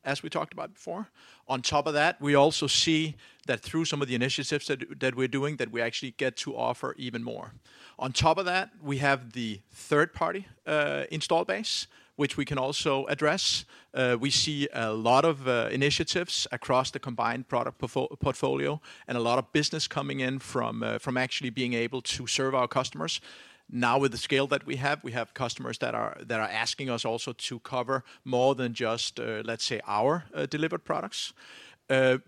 as we talked about before. On top of that, we also see that through some of the initiatives that we're doing, that we actually get to offer even more. On top of that, we have the third-party install base, which we can also address. We see a lot of initiatives across the combined product portfolio and a lot of business coming in from actually being able to serve our customers. Now, with the scale that we have, we have customers that are asking us also to cover more than just, let's say, our delivered products.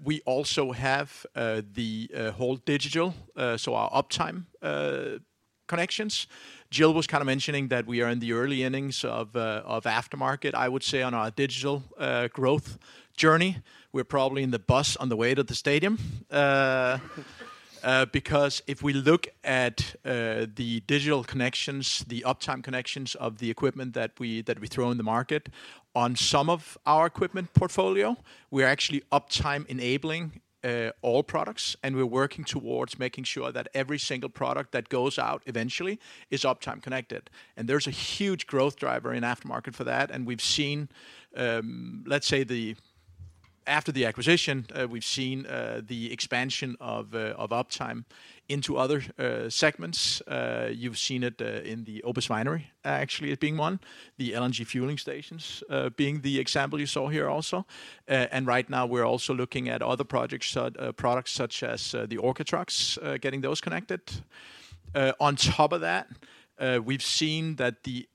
We also have the whole digital, so our uptime connections. Jill was kind of mentioning that we are in the early innings of aftermarket, I would say, on our digital growth journey. We're probably in the bus on the way to the stadium. Because if we look at the digital connections, the uptime connections of the equipment that we throw in the market, on some of our equipment portfolio, we are actually uptime enabling all products. And we're working towards making sure that every single product that goes out eventually is uptime connected. And there's a huge growth driver in aftermarket for that. And we've seen, let's say, after the acquisition, we've seen the expansion of uptime into other segments. You've seen it in the Opus One Winery, actually, as being one, the LNG fueling stations being the example you saw here also. And right now, we're also looking at other products such as the Orca trucks getting those connected. On top of that, we've seen that the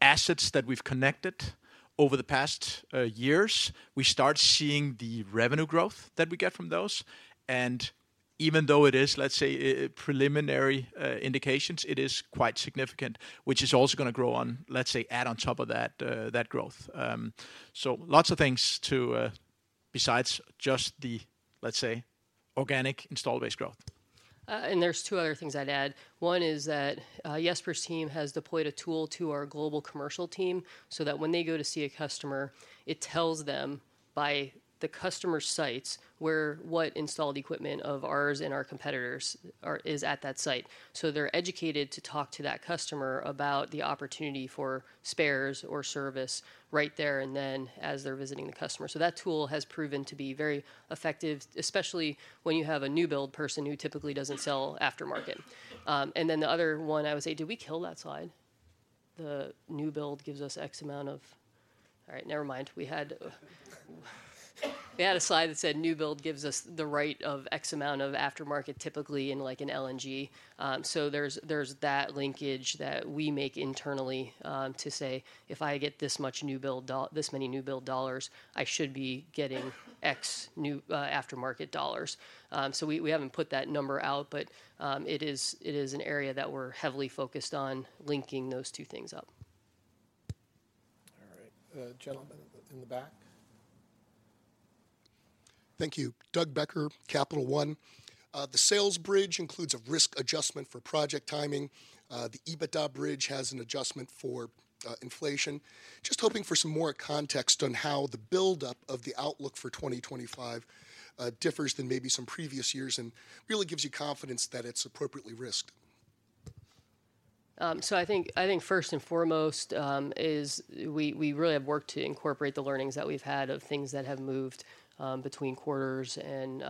assets that we've connected over the past years, we start seeing the revenue growth that we get from those. And even though it is, let's say, preliminary indications, it is quite significant, which is also going to grow on, let's say, add on top of that growth. So lots of things besides just the, let's say, organic install base growth. And there's two other things I'd add. One is that Jesper's team has deployed a tool to our global commercial team so that when they go to see a customer, it tells them by the customer sites where what installed equipment of ours and our competitors is at that site. So they're educated to talk to that customer about the opportunity for spares or service right there and then as they're visiting the customer. So that tool has proven to be very effective, especially when you have a new build person who typically doesn't sell aftermarket. And then the other one, I would say, did we kill that slide? The new build gives us X amount of, all right, never mind. We had a slide that said new build gives us the right of X amount of aftermarket typically in like an LNG. So there's that linkage that we make internally to say, if I get this much new build, this many new build dollars, I should be getting X new aftermarket dollars. So we haven't put that number out, but it is an area that we're heavily focused on linking those two things up. All right. Gentlemen in the back. Thank you. Doug Becker, Capital One. The sales bridge includes a risk adjustment for project timing. The EBITDA bridge has an adjustment for inflation. Just hoping for some more context on how the buildup of the outlook for 2025 differs than maybe some previous years and really gives you confidence that it's appropriately risked. So, I think first and foremost is we really have worked to incorporate the learnings that we've had of things that have moved between quarters and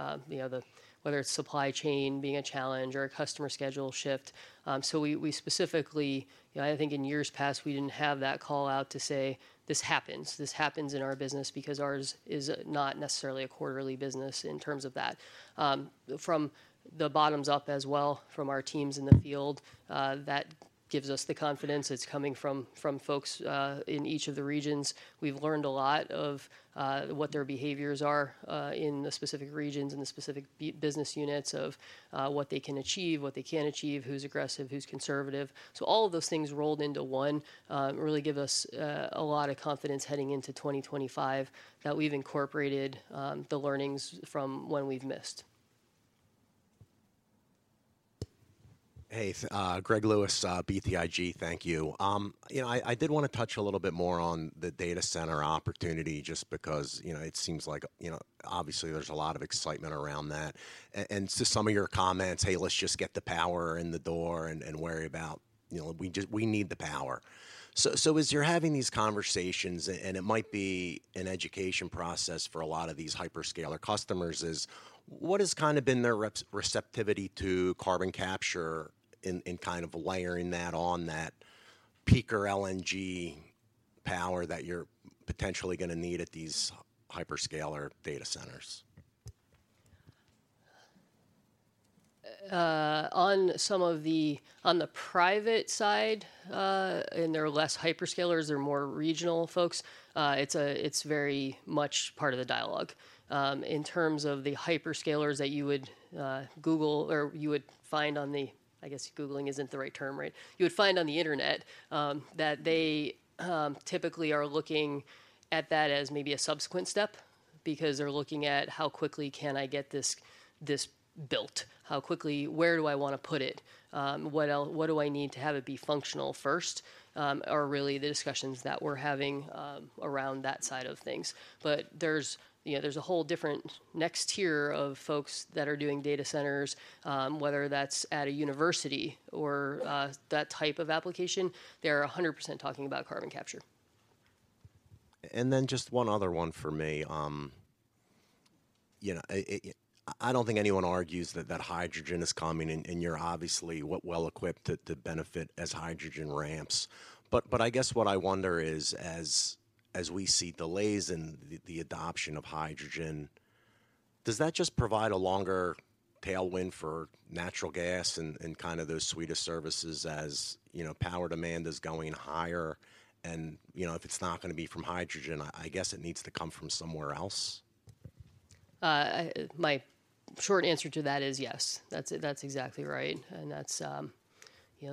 whether it's supply chain being a challenge or a customer schedule shift. So we specifically, I think in years past, we didn't have that call out to say, this happens. This happens in our business because ours is not necessarily a quarterly business in terms of that. From the bottoms up as well, from our teams in the field, that gives us the confidence. It's coming from folks in each of the regions. We've learned a lot of what their behaviors are in the specific regions and the specific business units of what they can achieve, what they can't achieve, who's aggressive, who's conservative. So all of those things rolled into one really give us a lot of confidence heading into 2025 that we've incorporated the learnings from when we've missed. Hey, Greg Lewis, BTIG, thank you. I did want to touch a little bit more on the data center opportunity just because it seems like obviously there's a lot of excitement around that. And to some of your comments, hey, let's just get the power in the door and worry about we need the power. So as you're having these conversations, and it might be an education process for a lot of these hyperscaler customers, what has kind of been their receptivity to carbon capture in kind of layering that on that peaker LNG power that you're potentially going to need at these hyperscaler data centers? On some of the private side, and they're less hyperscalers, they're more regional folks, it's very much part of the dialogue. In terms of the hyperscalers that you would Google or you would find on the, I guess Googling isn't the right term, right? You would find on the internet that they typically are looking at that as maybe a subsequent step because they're looking at how quickly can I get this built, how quickly, where do I want to put it, what do I need to have it be functional first, are really the discussions that we're having around that side of things. But there's a whole different next tier of folks that are doing data centers, whether that's at a university or that type of application, they're 100% talking about carbon capture. And then just one other one for me. I don't think anyone argues that hydrogen is coming and you're obviously well equipped to benefit as hydrogen ramps. But I guess what I wonder is as we see delays in the adoption of hydrogen, does that just provide a longer tailwind for natural gas and kind of those suite of services as power demand is going higher? And if it's not going to be from hydrogen, I guess it needs to come from somewhere else. My short answer to that is yes. That's exactly right. And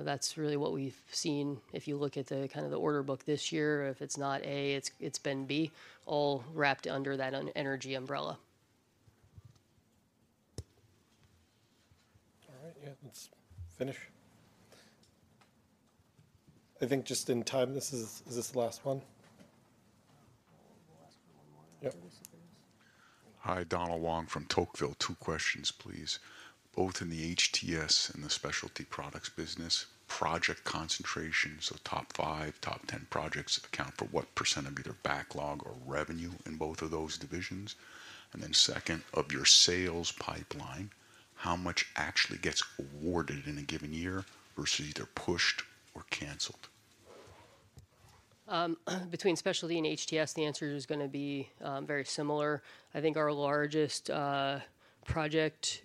that's really what we've seen. If you look at the kind of the order book this year, if it's not A, it's been B, all wrapped under that energy umbrella. All right. Yeah, let's finish. I think just in time, this is the last one? Hi, Donald Wong from Tocqueville. Two questions, please. Both in the HTS and the specialty products business, project concentration, so top five, top ten projects account for what percent of either backlog or revenue in both of those divisions? And then second, of your sales pipeline, how much actually gets awarded in a given year versus either pushed or canceled? Between specialty and HTS, the answer is going to be very similar. I think our largest project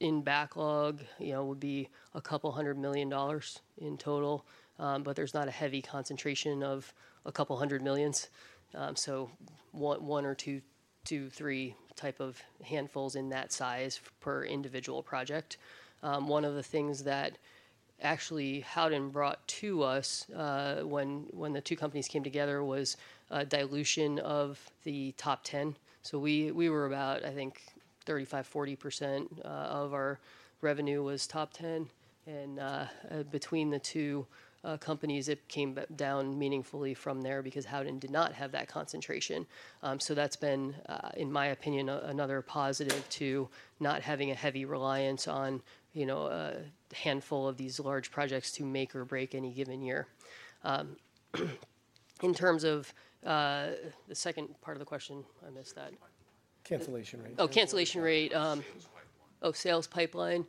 in backlog would be $200 million in total, but there's not a heavy concentration of a couple hundred millions. So one or two, two, three type of handfuls in that size per individual project. One of the things that actually Howden brought to us when the two companies came together was dilution of the top ten. So we were about, I think, 35%-40% of our revenue was top ten. Between the two companies, it came down meaningfully from there because Howden did not have that concentration. So that's been, in my opinion, another positive to not having a heavy reliance on a handful of these large projects to make or break any given year. In terms of the second part of the question, I missed that. Cancellation rate. Oh, cancellation rate. Oh, sales pipeline.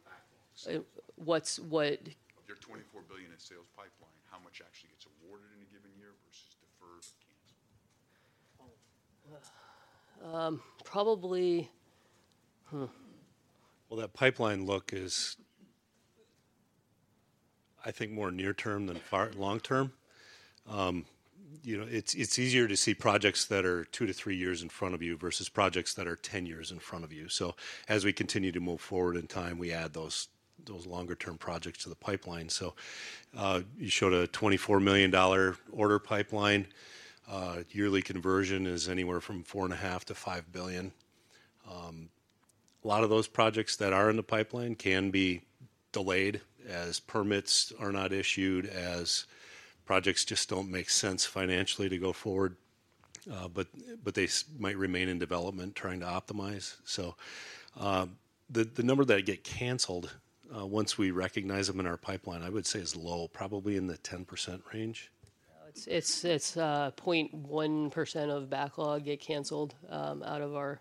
What's what? Of your $24 billion in sales pipeline, how much actually gets awarded in a given year versus deferred or canceled? Probably. Well, that pipeline look is, I think, more near-term than long-term. It's easier to see projects that are two to three years in front of you versus projects that are 10 years in front of you. So as we continue to move forward in time, we add those longer-term projects to the pipeline. So you showed a $24 million order pipeline. Yearly conversion is anywhere from $4.5 billion-$5 billion. A lot of those projects that are in the pipeline can be delayed as permits are not issued, as projects just don't make sense financially to go forward, but they might remain in development trying to optimize, so the number that get canceled once we recognize them in our pipeline, I would say is low, probably in the 10% range. It's 0.1% of backlog get canceled out of our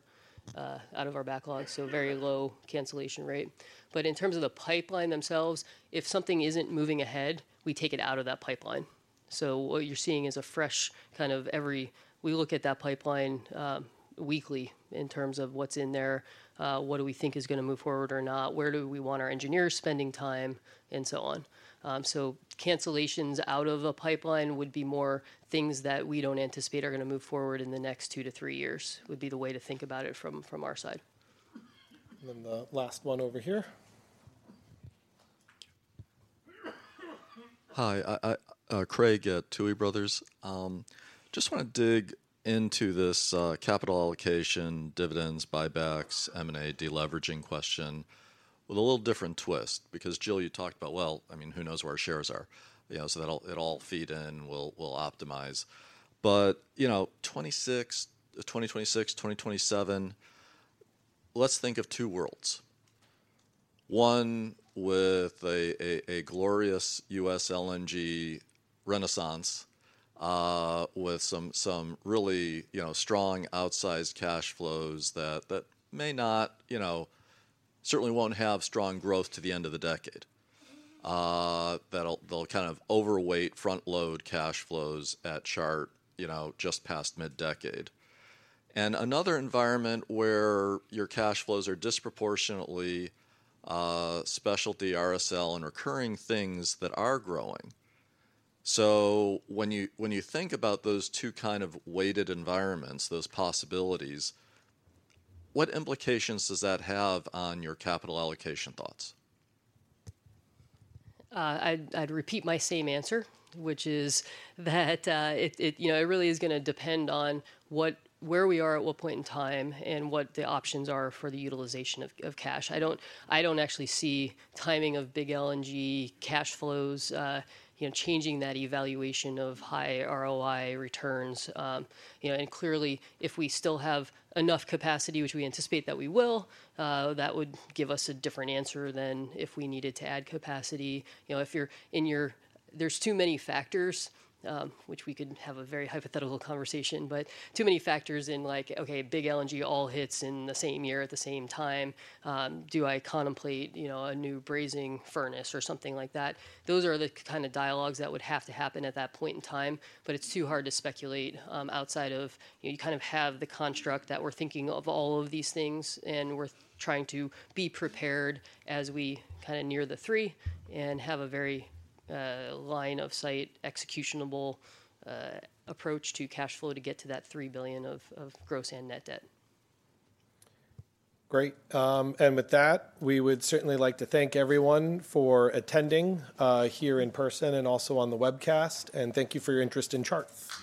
backlog, so very low cancellation rate, but in terms of the pipeline themselves, if something isn't moving ahead, we take it out of that pipeline, so what you're seeing is a fresh kind of every week we look at that pipeline weekly in terms of what's in there, what do we think is going to move forward or not, where do we want our engineers spending time, and so on. So cancellations out of a pipeline would be more things that we don't anticipate are going to move forward in the next two to three years would be the way to think about it from our side. And then the last one over here. Hi, Craig at Tuohy Brothers. Just want to dig into this capital allocation, dividends, buybacks, M&A, deleveraging question with a little different twist because Jill, you talked about, well, I mean, who knows where our shares are? So it'll all feed in, we'll optimize. But 2026, 2027, let's think of two worlds. One with a glorious U.S. LNG renaissance with some really strong outsized cash flows that may not, certainly won't have strong growth to the end of the decade. They'll kind of overweight front-load cash flows at Chart just past mid-decade. And another environment where your cash flows are disproportionately specialty RSL and recurring things that are growing. So when you think about those two kind of weighted environments, those possibilities, what implications does that have on your capital allocation thoughts? I'd repeat my same answer, which is that it really is going to depend on where we are at what point in time and what the options are for the utilization of cash. I don't actually see timing of big LNG cash flows changing that evaluation of high ROI returns. And clearly, if we still have enough capacity, which we anticipate that we will, that would give us a different answer than if we needed to add capacity. If you're in your, there's too many factors, which we could have a very hypothetical conversation, but too many factors in like, okay, big LNG all hits in the same year at the same time. Do I contemplate a new brazing furnace or something like that? Those are the kind of dialogues that would have to happen at that point in time, but it's too hard to speculate outside of you kind of have the construct that we're thinking of all of these things and we're trying to be prepared as we kind of near the three and have a very line of sight executable approach to cash flow to get to that $3 billion of gross and net debt. Great. And with that, we would certainly like to thank everyone for attending here in person and also on the webcast. And thank you for your interest in Chart.